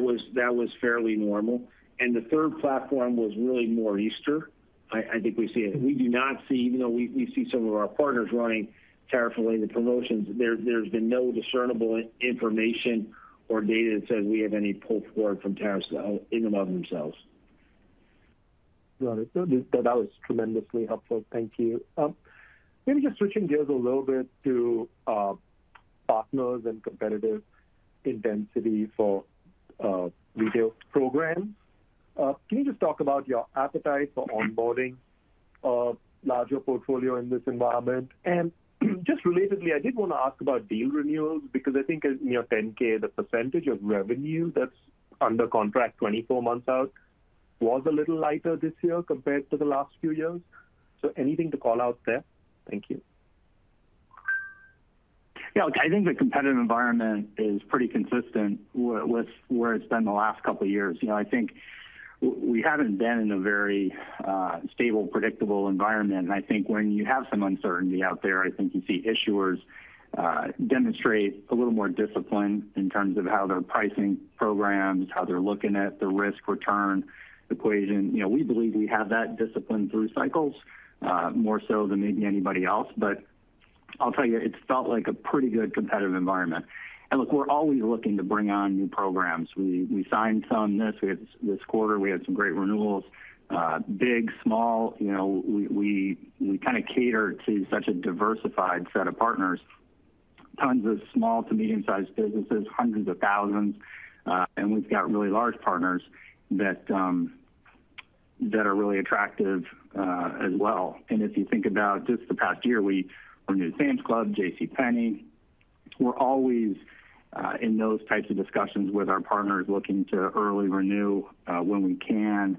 was fairly normal. The third platform was really more Easter. I think we see it. We do not see, even though we see some of our partners running tariff-related promotions, there has been no discernible information or data that says we have any pull forward from tariffs in and of themselves. Got it. That was tremendously helpful. Thank you. Maybe just switching gears a little bit to partners and competitive intensity for retail programs. Can you just talk about your appetite for onboarding a larger portfolio in this environment? Just relatedly, I did want to ask about deal renewals because I think in your 10-K, the percentage of revenue that is under contract 24 months out was a little lighter this year compared to the last few years. Anything to call out there? Thank you. Yeah, I think the competitive environment is pretty consistent with where it has been the last couple of years. You know, I think we haven't been in a very stable, predictable environment. I think when you have some uncertainty out there, you see issuers demonstrate a little more discipline in terms of how they're pricing programs, how they're looking at the risk-return equation. You know, we believe we have that discipline through cycles more so than maybe anybody else. I'll tell you, it's felt like a pretty good competitive environment. Look, we're always looking to bring on new programs. We signed some this week. This quarter, we had some great renewals. Big, small, you know, we kind of cater to such a diversified set of partners. Tons of small to medium-sized businesses, hundreds of thousands. We've got really large partners that are really attractive as well. If you think about just the past year, we renewed Sam's Club, J.Crew. We're always in those types of discussions with our partners looking to early renew when we can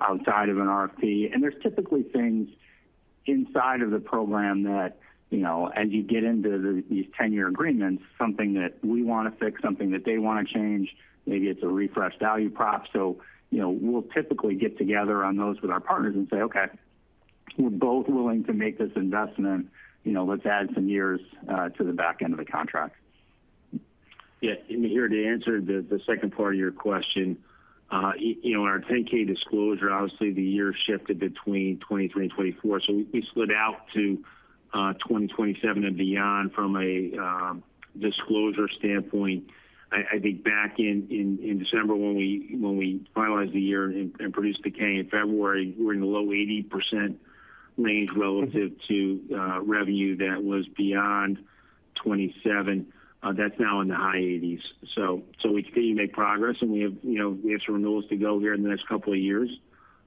outside of an RFP. There's typically things inside of the program that, you know, as you get into these 10-year agreements, something that we want to fix, something that they want to change, maybe it's a refreshed value prop. You know, we'll typically get together on those with our partners and say, okay, we're both willing to make this investment. You know, let's add some years to the back end of the contract. In here to answer the second part of your question, you know, in our 10-K disclosure, obviously the year shifted between 2023 and 2024. We slid out to 2027 and beyond from a disclosure standpoint. I think back in December, when we finalized the year and produced the K in February, we're in the low 80% range relative to revenue that was beyond 2027. That's now in the high 80s. We continue to make progress and we have, you know, we have some renewals to go here in the next couple of years.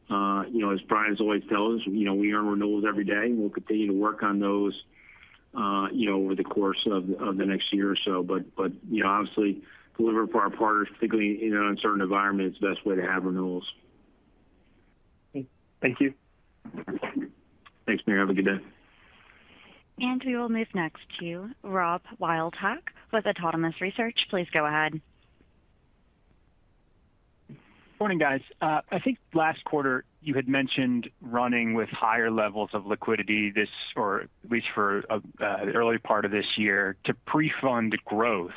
You know, as Brian has always told us, you know, we earn renewals every day and we'll continue to work on those, you know, over the course of the next year or so. You know, obviously delivering for our partners, particularly in an uncertain environment, is the best way to have renewals. Thank you. Thanks, Mihir. Have a good day. We will move next to Rob Wildhack with Autonomous Research. Please go ahead. Morning, guys. I think last quarter you had mentioned running with higher levels of liquidity this, or at least for the early part of this year, to pre-fund growth.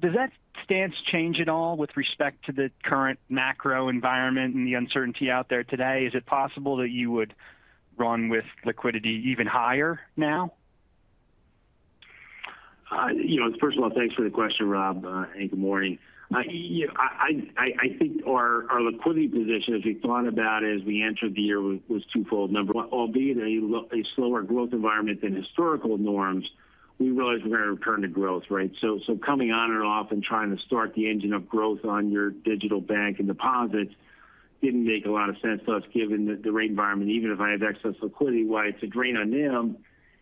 Does that stance change at all with respect to the current macro environment and the uncertainty out there today? Is it possible that you would run with liquidity even higher now? You know, first of all, thanks for the question, Rob, and good morning. You know, I think our liquidity position, as we thought about it as we entered the year, was twofold. Albeit a slower growth environment than historical norms, we realized we're going to return to growth, right? Coming on and off and trying to start the engine of growth on your digital bank and deposits did not make a lot of sense to us given the rate environment. Even if I have excess liquidity, why it's a drain on them.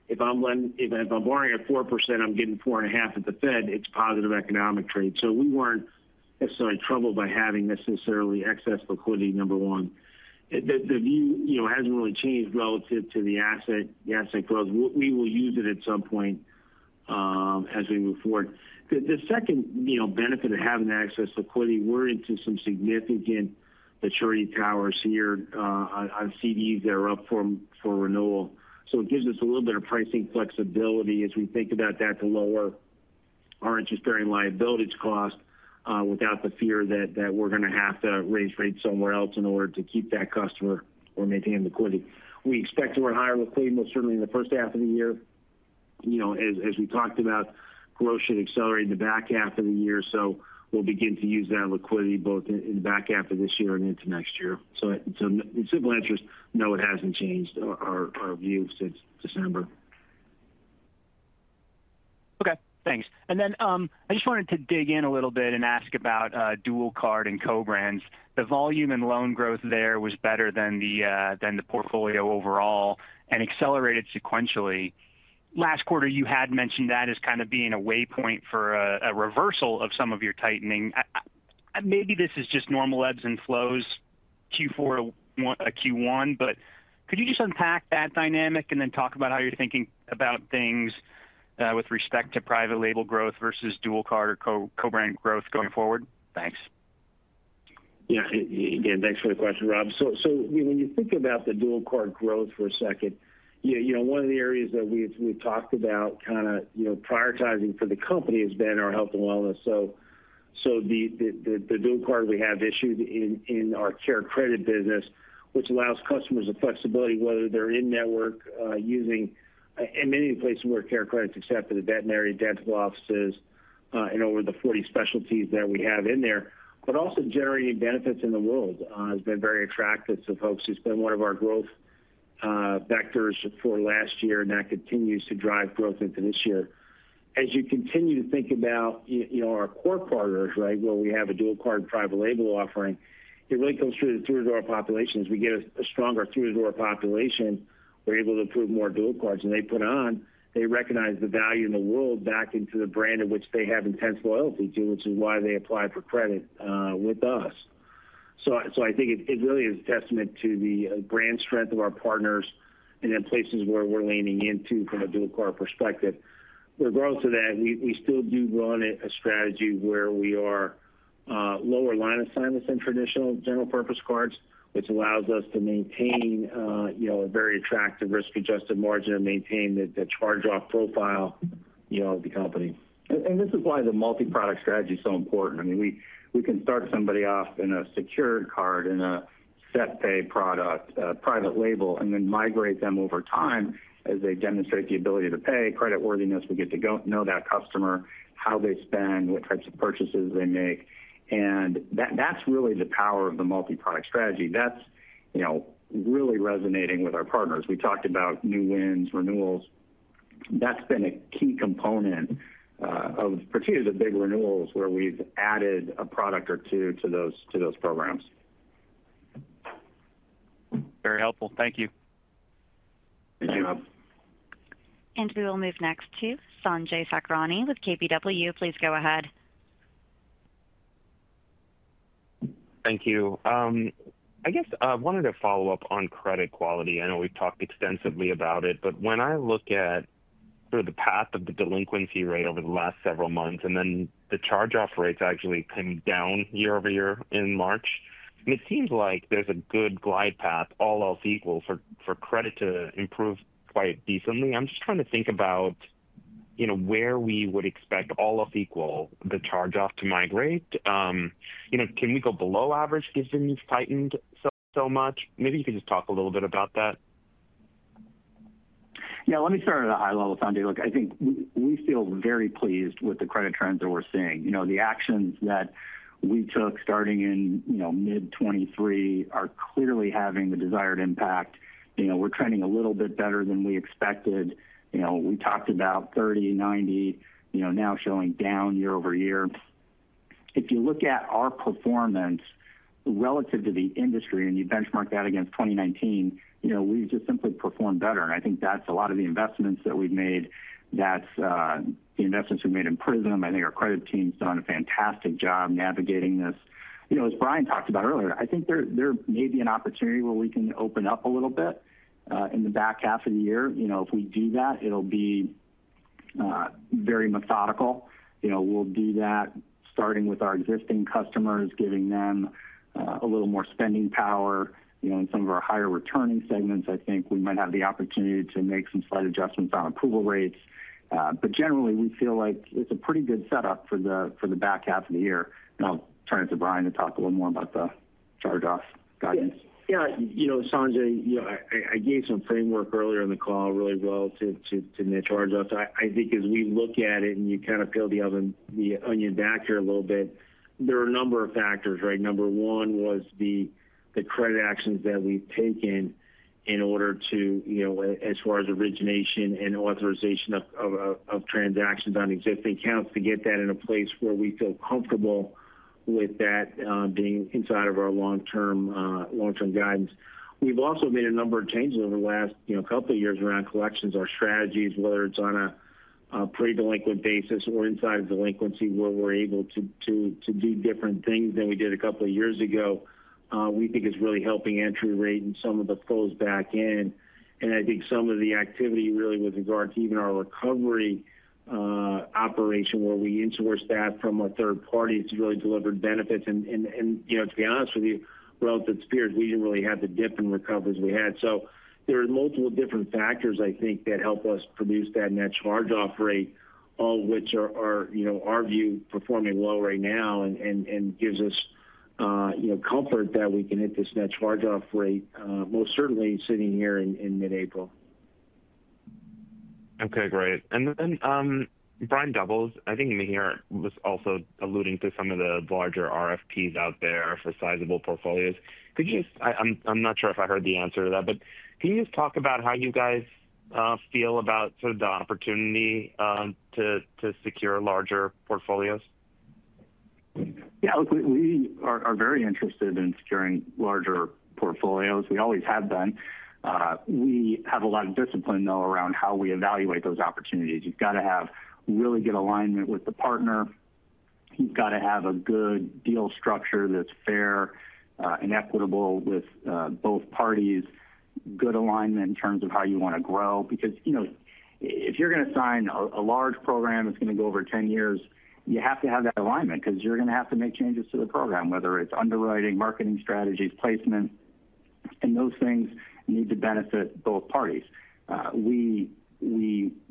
If I'm borrowing at 4%, I'm getting 4.5% at the Fed, it's positive economic trade. We weren't necessarily troubled by having necessarily excess liquidity, number one. The view, you know, hasn't really changed relative to the asset growth. We will use it at some point as we move forward. The second, you know, benefit of having access to liquidity, we're into some significant maturity towers here on CDs that are up for renewal. It gives us a little bit of pricing flexibility as we think about that to lower our interest-bearing liabilities cost without the fear that we're going to have to raise rates somewhere else in order to keep that customer or maintain liquidity. We expect to earn higher liquidity, most certainly in the first half of the year. You know, as we talked about, growth should accelerate in the back half of the year. We'll begin to use that liquidity both in the back half of this year and into next year. The simple answer is no, it hasn't changed our view since December. Okay, thanks. I just wanted to dig in a little bit and ask about dual card and co-brands. The volume and loan growth there was better than the portfolio overall and accelerated sequentially. Last quarter, you had mentioned that as kind of being a waypoint for a reversal of some of your tightening. Maybe this is just normal ebbs and flows Q4 to Q1, but could you just unpack that dynamic and then talk about how you're thinking about things with respect to private label growth versus dual card or co-brand growth going forward? Thanks. Yeah, again, thanks for the question, Rob. When you think about the dual card growth for a second, you know, one of the areas that we've talked about, kind of, you know, prioritizing for the company has been our health and wellness. The dual card we have issued in our CareCredit business allows customers the flexibility, whether they're in network, using many of the places where CareCredit is accepted, the veterinary dental offices, and over the 40 specialties that we have in there, but also generating benefits in the world has been very attractive to folks. It's been one of our growth vectors for last year, and that continues to drive growth into this year. As you continue to think about, you know, our core partners, right, where we have a dual card private label offering, it really comes through the through-door population. As we get a stronger through-door population, we're able to approve more dual cards. They put on, they recognize the value in the world back into the brand of which they have intense loyalty to, which is why they apply for credit with us. I think it really is a testament to the brand strength of our partners and then places where we're leaning into from a dual card perspective. With regards to that, we still do run a strategy where we are lower line of service than traditional general purpose cards, which allows us to maintain, you know, a very attractive risk-adjusted margin and maintain the charge-off profile, you know, of the company. This is why the multi-product strategy is so important. I mean, we can start somebody off in a secure card, in a set-pay product, private label, and then migrate them over time as they demonstrate the ability to pay creditworthiness. We get to know that customer, how they spend, what types of purchases they make. That is really the power of the multi-product strategy. That is, you know, really resonating with our partners. We talked about new wins, renewals. That has been a key component of, particularly the big renewals where we have added a product or two to those programs. Very helpful. Thank you. Thank you, Rob. We will move next to Sanjay Sakhrani with KBW. Please go ahead. Thank you. I guess I wanted to follow up on credit quality. I know we've talked extensively about it, but when I look at sort of the path of the delinquency rate over the last several months and then the charge-off rates actually came down year over year in March, it seems like there's a good glide path, all else equal, for credit to improve quite decently. I'm just trying to think about, you know, where we would expect, all else equal, the charge-off to migrate. You know, can we go below average given you've tightened so much? Maybe you could just talk a little bit about that. Yeah, let me start at a high level, Sanjay. Look, I think we feel very pleased with the credit trends that we're seeing. You know, the actions that we took starting in, you know, mid-2023 are clearly having the desired impact. You know, we're trending a little bit better than we expected. You know, we talked about 30, 90, you know, now showing down year over year. If you look at our performance relative to the industry and you benchmark that against 2019, you know, we've just simply performed better. And I think that's a lot of the investments that we've made. That's the investments we've made in Prism. I think our credit team's done a fantastic job navigating this. You know, as Brian talked about earlier, I think there may be an opportunity where we can open up a little bit in the back half of the year. You know, if we do that, it'll be very methodical. You know, we'll do that starting with our existing customers, giving them a little more spending power, you know, in some of our higher returning segments. I think we might have the opportunity to make some slight adjustments on approval rates. Generally, we feel like it's a pretty good setup for the back half of the year. I'll turn it to Brian to talk a little more about the charge-off guidance. Yeah, you know, Sanjay, I gave some framework earlier in the call really well to the charge-off. I think as we look at it and you kind of peel the onion back here a little bit, there are a number of factors, right? Number one was the credit actions that we've taken in order to, you know, as far as origination and authorization of transactions on existing accounts to get that in a place where we feel comfortable with that being inside of our long-term guidance. We've also made a number of changes over the last, you know, couple of years around collections or strategies, whether it's on a pre-delinquent basis or inside of delinquency where we're able to do different things than we did a couple of years ago. We think it's really helping entry rate and some of the flows back in. I think some of the activity really with regard to even our recovery operation where we insource that from our third parties to really deliver benefits. You know, to be honest with you, relative to peers, we didn't really have the dip and recovery we had. There are multiple different factors, I think, that help us produce that net charge-off rate, all of which are, you know, our view, performing well right now and gives us, you know, comfort that we can hit this net charge-off rate most certainly sitting here in mid-April. Okay, great. Brian Doubles, I think Mihir was also alluding to some of the larger RFPs out there for sizable portfolios. Could you just, I'm not sure if I heard the answer to that, but can you just talk about how you guys feel about sort of the opportunity to secure larger portfolios? Yeah, look, we are very interested in securing larger portfolios. We always have been. We have a lot of discipline, though, around how we evaluate those opportunities. You've got to have really good alignment with the partner. You've got to have a good deal structure that's fair and equitable with both parties, good alignment in terms of how you want to grow. Because, you know, if you're going to sign a large program that's going to go over 10 years, you have to have that alignment because you're going to have to make changes to the program, whether it's underwriting, marketing strategies, placement, and those things need to benefit both parties. We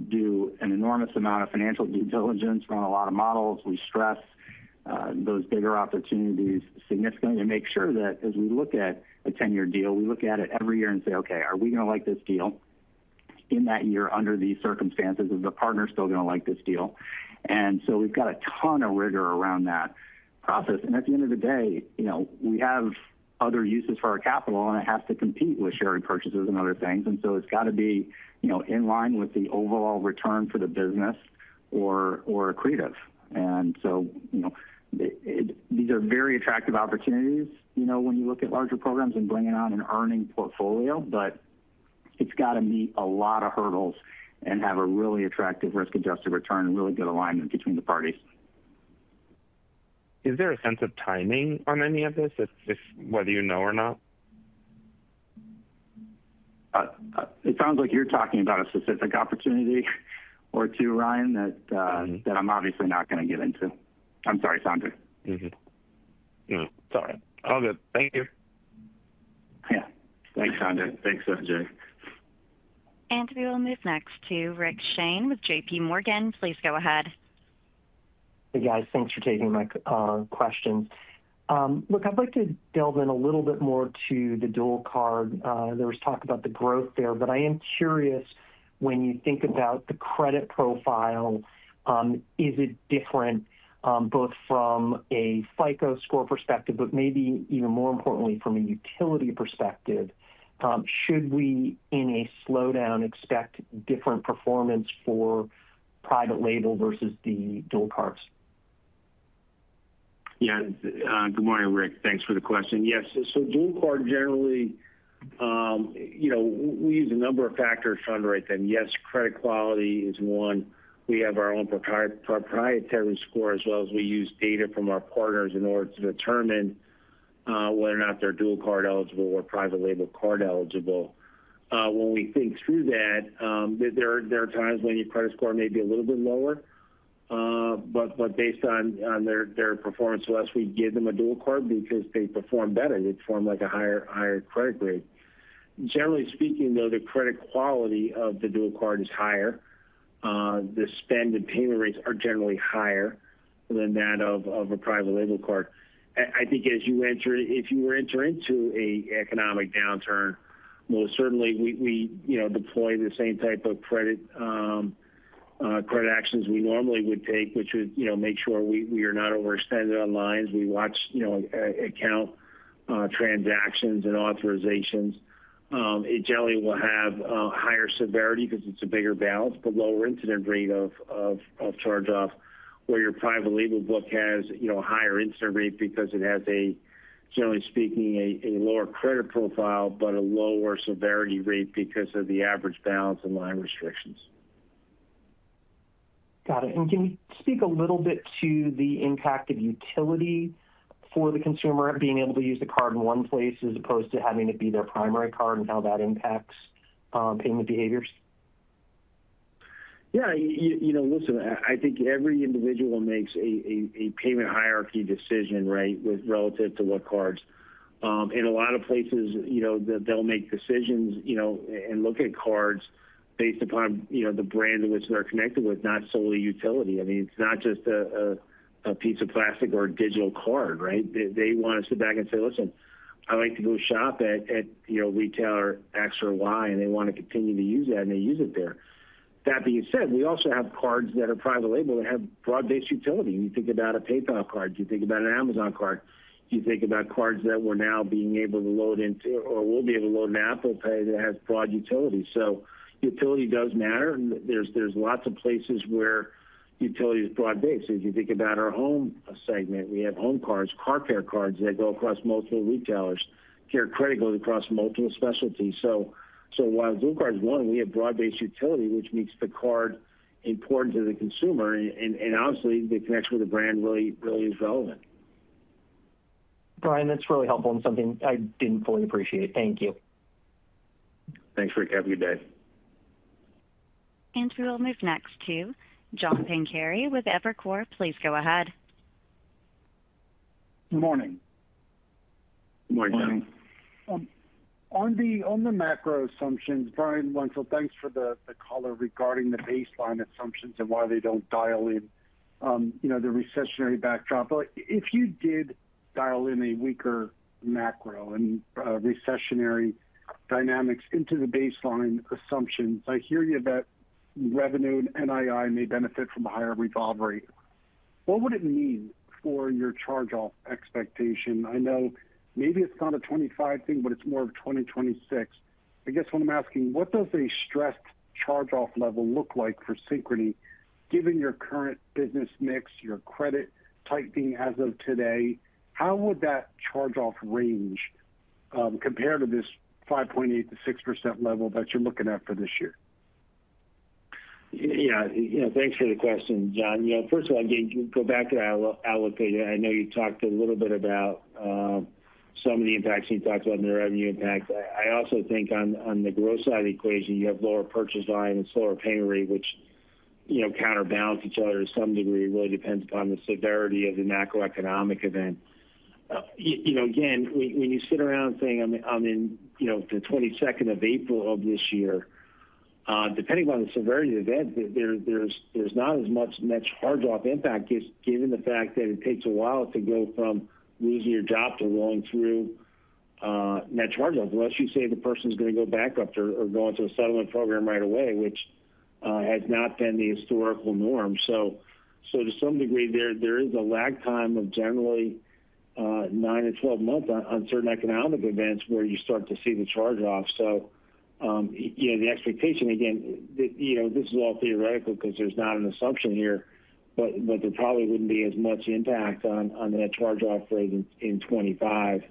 do an enormous amount of financial due diligence on a lot of models. We stress those bigger opportunities significantly to make sure that as we look at a 10-year deal, we look at it every year and say, okay, are we going to like this deal in that year under these circumstances? Is the partner still going to like this deal? We've got a ton of rigor around that process. At the end of the day, you know, we have other uses for our capital, and it has to compete with share repurchases and other things. It has to be, you know, in line with the overall return for the business or accretive. You know, these are very attractive opportunities, you know, when you look at larger programs and bringing on an earning portfolio, but it has to meet a lot of hurdles and have a really attractive risk-adjusted return and really good alignment between the parties. Is there a sense of timing on any of this, whether you know or not? It sounds like you're talking about a specific opportunity or two, Ryan, that I'm obviously not going to get into. I'm sorry, Sanjay. No, it's all right. All good. Thank you. Yeah, thanks, Sanjay. Thanks, Sanjay. We will move next to Rick Shane with JPMorgan. Please go ahead. Hey, guys, thanks for taking my questions. Look, I'd like to delve in a little bit more to the dual card. There was talk about the growth there, but I am curious, when you think about the credit profile, is it different both from a FICO score perspective, but maybe even more importantly from a utility perspective? Should we, in a slowdown, expect different performance for private label versus the dual cards? Yeah, good morning, Rick. Thanks for the question. Yes, so dual card generally, you know, we use a number of factors to underwrite them. Yes, credit quality is one. We have our own proprietary score as well as we use data from our partners in order to determine whether or not they're dual card eligible or private label card eligible. When we think through that, there are times when your credit score may be a little bit lower, but based on their performance, we give them a dual card because they perform better. They perform like a higher credit grade. Generally speaking, though, the credit quality of the dual card is higher. The spend and payment rates are generally higher than that of a private label card. I think as you enter, if you were to enter into an economic downturn, most certainly we, you know, deploy the same type of credit actions we normally would take, which would, you know, make sure we are not overextended on lines. We watch, you know, account transactions and authorizations. It generally will have a higher severity because it's a bigger balance, but lower incident rate of charge-off where your private label book has, you know, a higher incident rate because it has a, generally speaking, a lower credit profile, but a lower severity rate because of the average balance and line restrictions. Got it. Can you speak a little bit to the impact of utility for the consumer of being able to use the card in one place as opposed to having it be their primary card and how that impacts payment behaviors? Yeah, you know, I think every individual makes a payment hierarchy decision, right, relative to what cards. In a lot of places, you know, they'll make decisions, you know, and look at cards based upon, you know, the brand in which they're connected with, not solely utility. I mean, it's not just a piece of plastic or a digital card, right? They want to sit back and say, listen, I like to go shop at, you know, retailer X or Y, and they want to continue to use that, and they use it there. That being said, we also have cards that are private label that have broad-based utility. You think about a PayPal card. You think about an Amazon card. You think about cards that we're now being able to load into, or we'll be able to load in Apple Pay that has broad utility. Utility does matter. There's lots of places where utility is broad-based. If you think about our home segment, we have home cards, car care cards that go across multiple retailers. CareCredit goes across multiple specialties. While dual card is one, we have broad-based utility, which makes the card important to the consumer. Obviously, the connection with the brand really is relevant. Brian, that's really helpful and something I didn't fully appreciate. Thank you. Thanks, Rick. Have a good day. We will move next to John Pancari with Evercore. Please go ahead. Good morning. Good morning, John. On the macro assumptions, Brian Wenzel, thanks for the color regarding the baseline assumptions and why they don't dial in, you know, the recessionary backdrop. If you did dial in a weaker macro and recessionary dynamics into the baseline assumptions, I hear you that revenue and NII may benefit from a higher revolve rate. What would it mean for your charge-off expectation? I know maybe it's not a 2025 thing, but it's more of 2026. I guess what I'm asking, what does a stressed charge-off level look like for Synchrony given your current business mix, your credit tightening as of today? How would that charge-off range compare to this 5.8-6% level that you're looking at for this year? Yeah, you know, thanks for the question, John. You know, first of all, go back to Ally Lending. I know you talked a little bit about some of the impacts you talked about in the revenue impact. I also think on the gross side of the equation, you have lower purchase line and slower payment rate, which, you know, counterbalance each other to some degree. It really depends upon the severity of the macroeconomic event. You know, again, when you sit around saying, I'm in, you know, the 22nd of April of this year, depending upon the severity of the event, there's not as much net charge-off impact given the fact that it takes a while to go from losing your job to rolling through net charge-off, unless you say the person's going to go bankrupt or go into a settlement program right away, which has not been the historical norm. To some degree, there is a lag time of generally 9-12 months on certain economic events where you start to see the charge-off. You know, the expectation, again, you know, this is all theoretical because there's not an assumption here, but there probably wouldn't be as much impact on that charge-off rate in 2025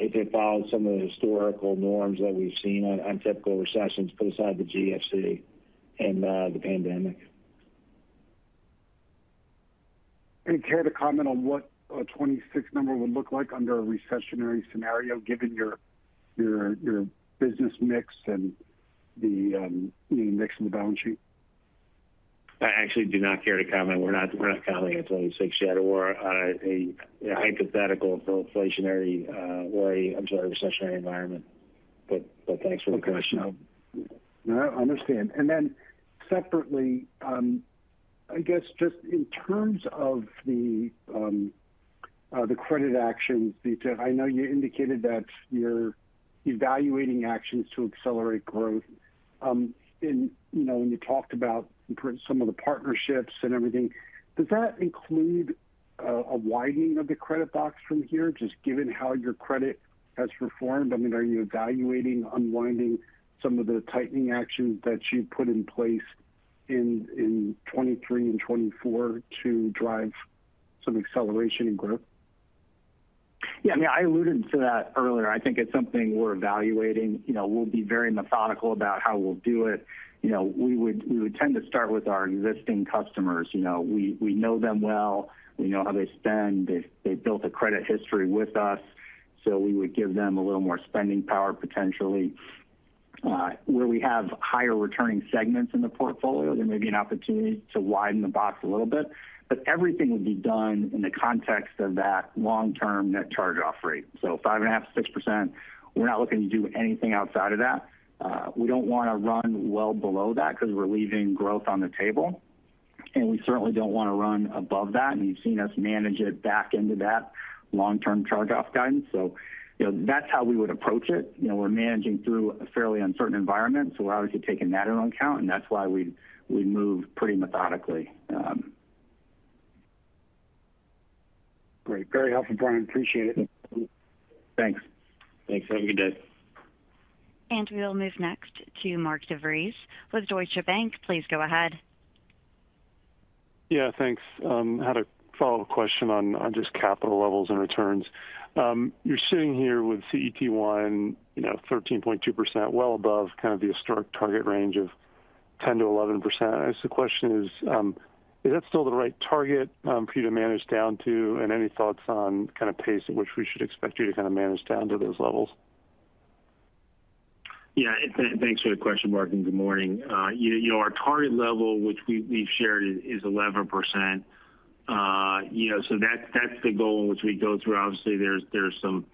if it follows some of the historical norms that we've seen on typical recessions, put aside the GFC and the pandemic. Care to comment on what a 2026 number would look like under a recessionary scenario given your business mix and the mix in the balance sheet? I actually do not care to comment. We're not commenting on 2026 yet. We're on a hypothetical inflationary or, I'm sorry, recessionary environment. Thanks for the question. I understand. Separately, I guess just in terms of the credit actions, I know you indicated that you're evaluating actions to accelerate growth. You know, when you talked about some of the partnerships and everything, does that include a widening of the credit box from here, just given how your credit has performed? I mean, are you evaluating, unwinding some of the tightening actions that you put in place in 2023 and 2024 to drive some acceleration and growth? Yeah, I mean, I alluded to that earlier. I think it's something we're evaluating. You know, we'll be very methodical about how we'll do it. You know, we would tend to start with our existing customers. You know, we know them well. We know how they spend. They built a credit history with us. So we would give them a little more spending power potentially. Where we have higher returning segments in the portfolio, there may be an opportunity to widen the box a little bit. Everything would be done in the context of that long-term net charge-off rate. So 5.5-6%, we're not looking to do anything outside of that. We don't want to run well below that because we're leaving growth on the table. We certainly don't want to run above that. You've seen us manage it back into that long-term charge-off guidance. You know, that's how we would approach it. You know, we're managing through a fairly uncertain environment. We're obviously taking that into account. That's why we move pretty methodically. Great. Very helpful, Brian. Appreciate it. Thanks. Thanks. Have a good day. We will move next to Mark DeVries with Deutsche Bank. Please go ahead. Yeah, thanks. I had a follow-up question on just capital levels and returns. You're sitting here with CET1, you know, 13.2%, well above kind of the historic target range of 10-11%. The question is, is that still the right target for you to manage down to? Any thoughts on kind of pace at which we should expect you to kind of manage down to those levels? Yeah, thanks for the question, Mark. Good morning. You know, our target level, which we've shared, is 11%. You know, so that's the goal in which we go through. Obviously, there's some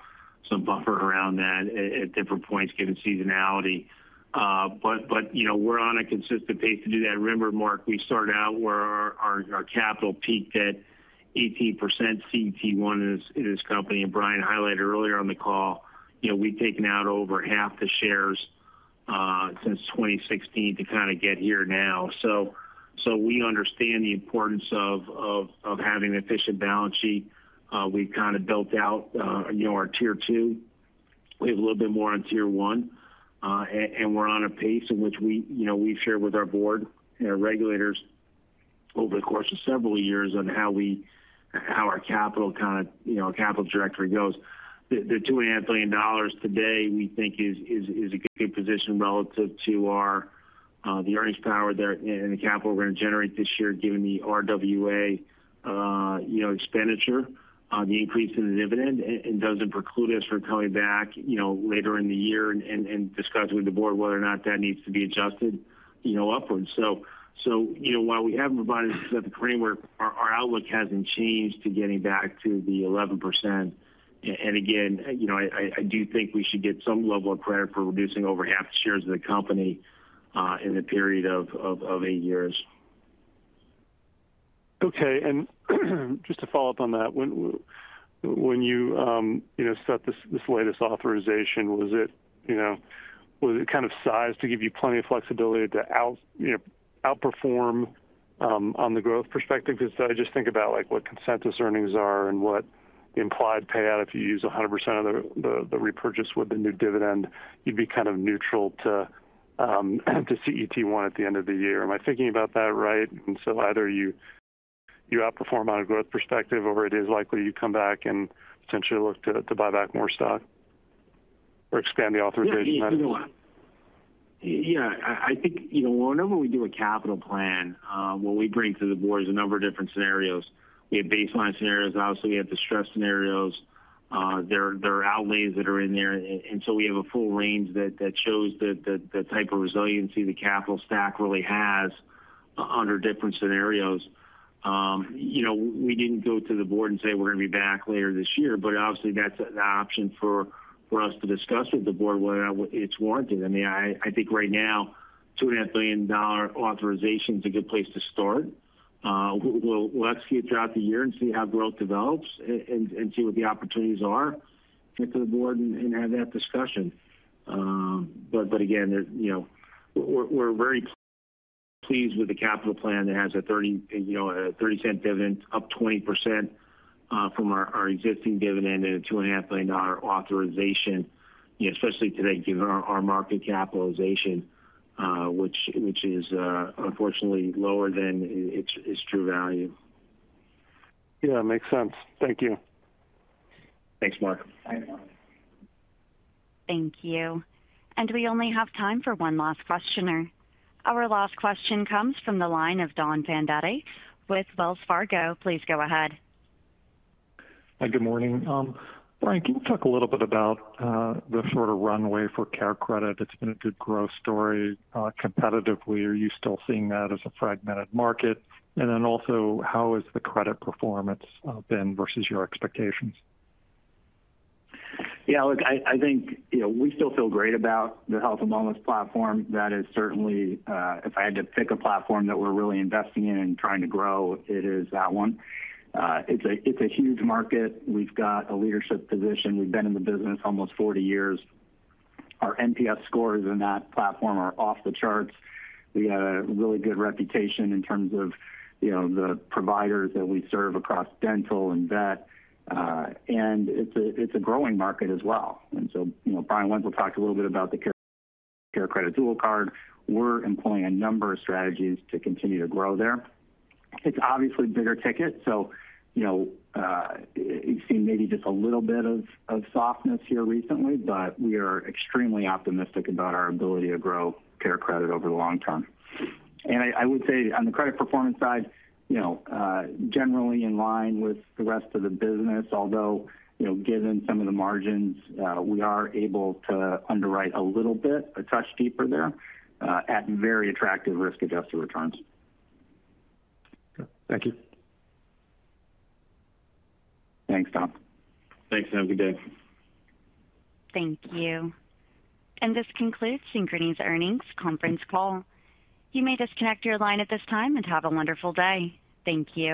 buffer around that at different points given seasonality. You know, we're on a consistent pace to do that. Remember, Mark, we started out where our capital peaked at 18% CET1 in this company. Brian highlighted earlier on the call, you know, we've taken out over half the shares since 2016 to kind of get here now. We understand the importance of having an efficient balance sheet. We've kind of built out, you know, our tier two. We have a little bit more on tier one. We're on a pace in which we, you know, we've shared with our board and our regulators over the course of several years on how our capital, you know, our capital directory goes. The $2.5 billion today, we think, is a good position relative to the earnings power there and the capital we're going to generate this year given the RWA, you know, expenditure, the increase in the dividend, and does not preclude us from coming back, you know, later in the year and discussing with the board whether or not that needs to be adjusted, you know, upwards. You know, while we haven't provided a specific framework, our outlook hasn't changed to getting back to the 11%. Again, you know, I do think we should get some level of credit for reducing over half the shares of the company in the period of eight years. Okay. Just to follow up on that, when you, you know, set this latest authorization, was it, you know, was it kind of sized to give you plenty of flexibility to outperform on the growth perspective? Because I just think about like what consensus earnings are and what the implied payout if you use 100% of the repurchase with the new dividend, you'd be kind of neutral to CET1 at the end of the year. Am I thinking about that right? Either you outperform on a growth perspective or it is likely you come back and potentially look to buy back more stock or expand the authorization? Yeah, I think, you know, whenever we do a capital plan, what we bring to the board is a number of different scenarios. We have baseline scenarios. Obviously, we have the stress scenarios. There are outlays that are in there. We have a full range that shows the type of resiliency the capital stack really has under different scenarios. You know, we did not go to the board and say we are going to be back later this year, but obviously that is an option for us to discuss with the board whether or not it is warranted. I mean, I think right now, $2.5 billion authorization is a good place to start. We'll execute throughout the year and see how growth develops and see what the opportunities are to the board and have that discussion. Again, you know, we're very pleased with the capital plan that has a $0.30 dividend, up 20% from our existing dividend and a $2.5 billion authorization, you know, especially today given our market capitalization, which is unfortunately lower than its true value. Yeah, makes sense. Thank you. Thanks, Mark. Thank you. We only have time for one last questioner. Our last question comes from the line of Don Fandetti with Wells Fargo. Please go ahead. Hi, good morning. Brian, can you talk a little bit about the sort of runway for CareCredit? It's been a good growth story. Competitively, are you still seeing that as a fragmented market? Also, how has the credit performance been versus your expectations? Yeah, look, I think, you know, we still feel great about the health and wellness platform. That is certainly, if I had to pick a platform that we're really investing in and trying to grow, it is that one. It's a huge market. We've got a leadership position. We've been in the business almost 40 years. Our NPS scores in that platform are off the charts. We have a really good reputation in terms of, you know, the providers that we serve across dental and vet. It's a growing market as well. You know, Brian Wenzel talked a little bit about the CareCredit Tool Card. We're employing a number of strategies to continue to grow there. It's obviously bigger ticket. You know, you've seen maybe just a little bit of softness here recently, but we are extremely optimistic about our ability to grow CareCredit over the long term. I would say on the credit performance side, you know, generally in line with the rest of the business, although, you know, given some of the margins, we are able to underwrite a little bit, a touch deeper there at very attractive risk-adjusted returns. Thank you. Thanks, Tom. Thanks. Have a good day. Thank you. This concludes Synchrony's earnings conference call. You may disconnect your line at this time and have a wonderful day. Thank you.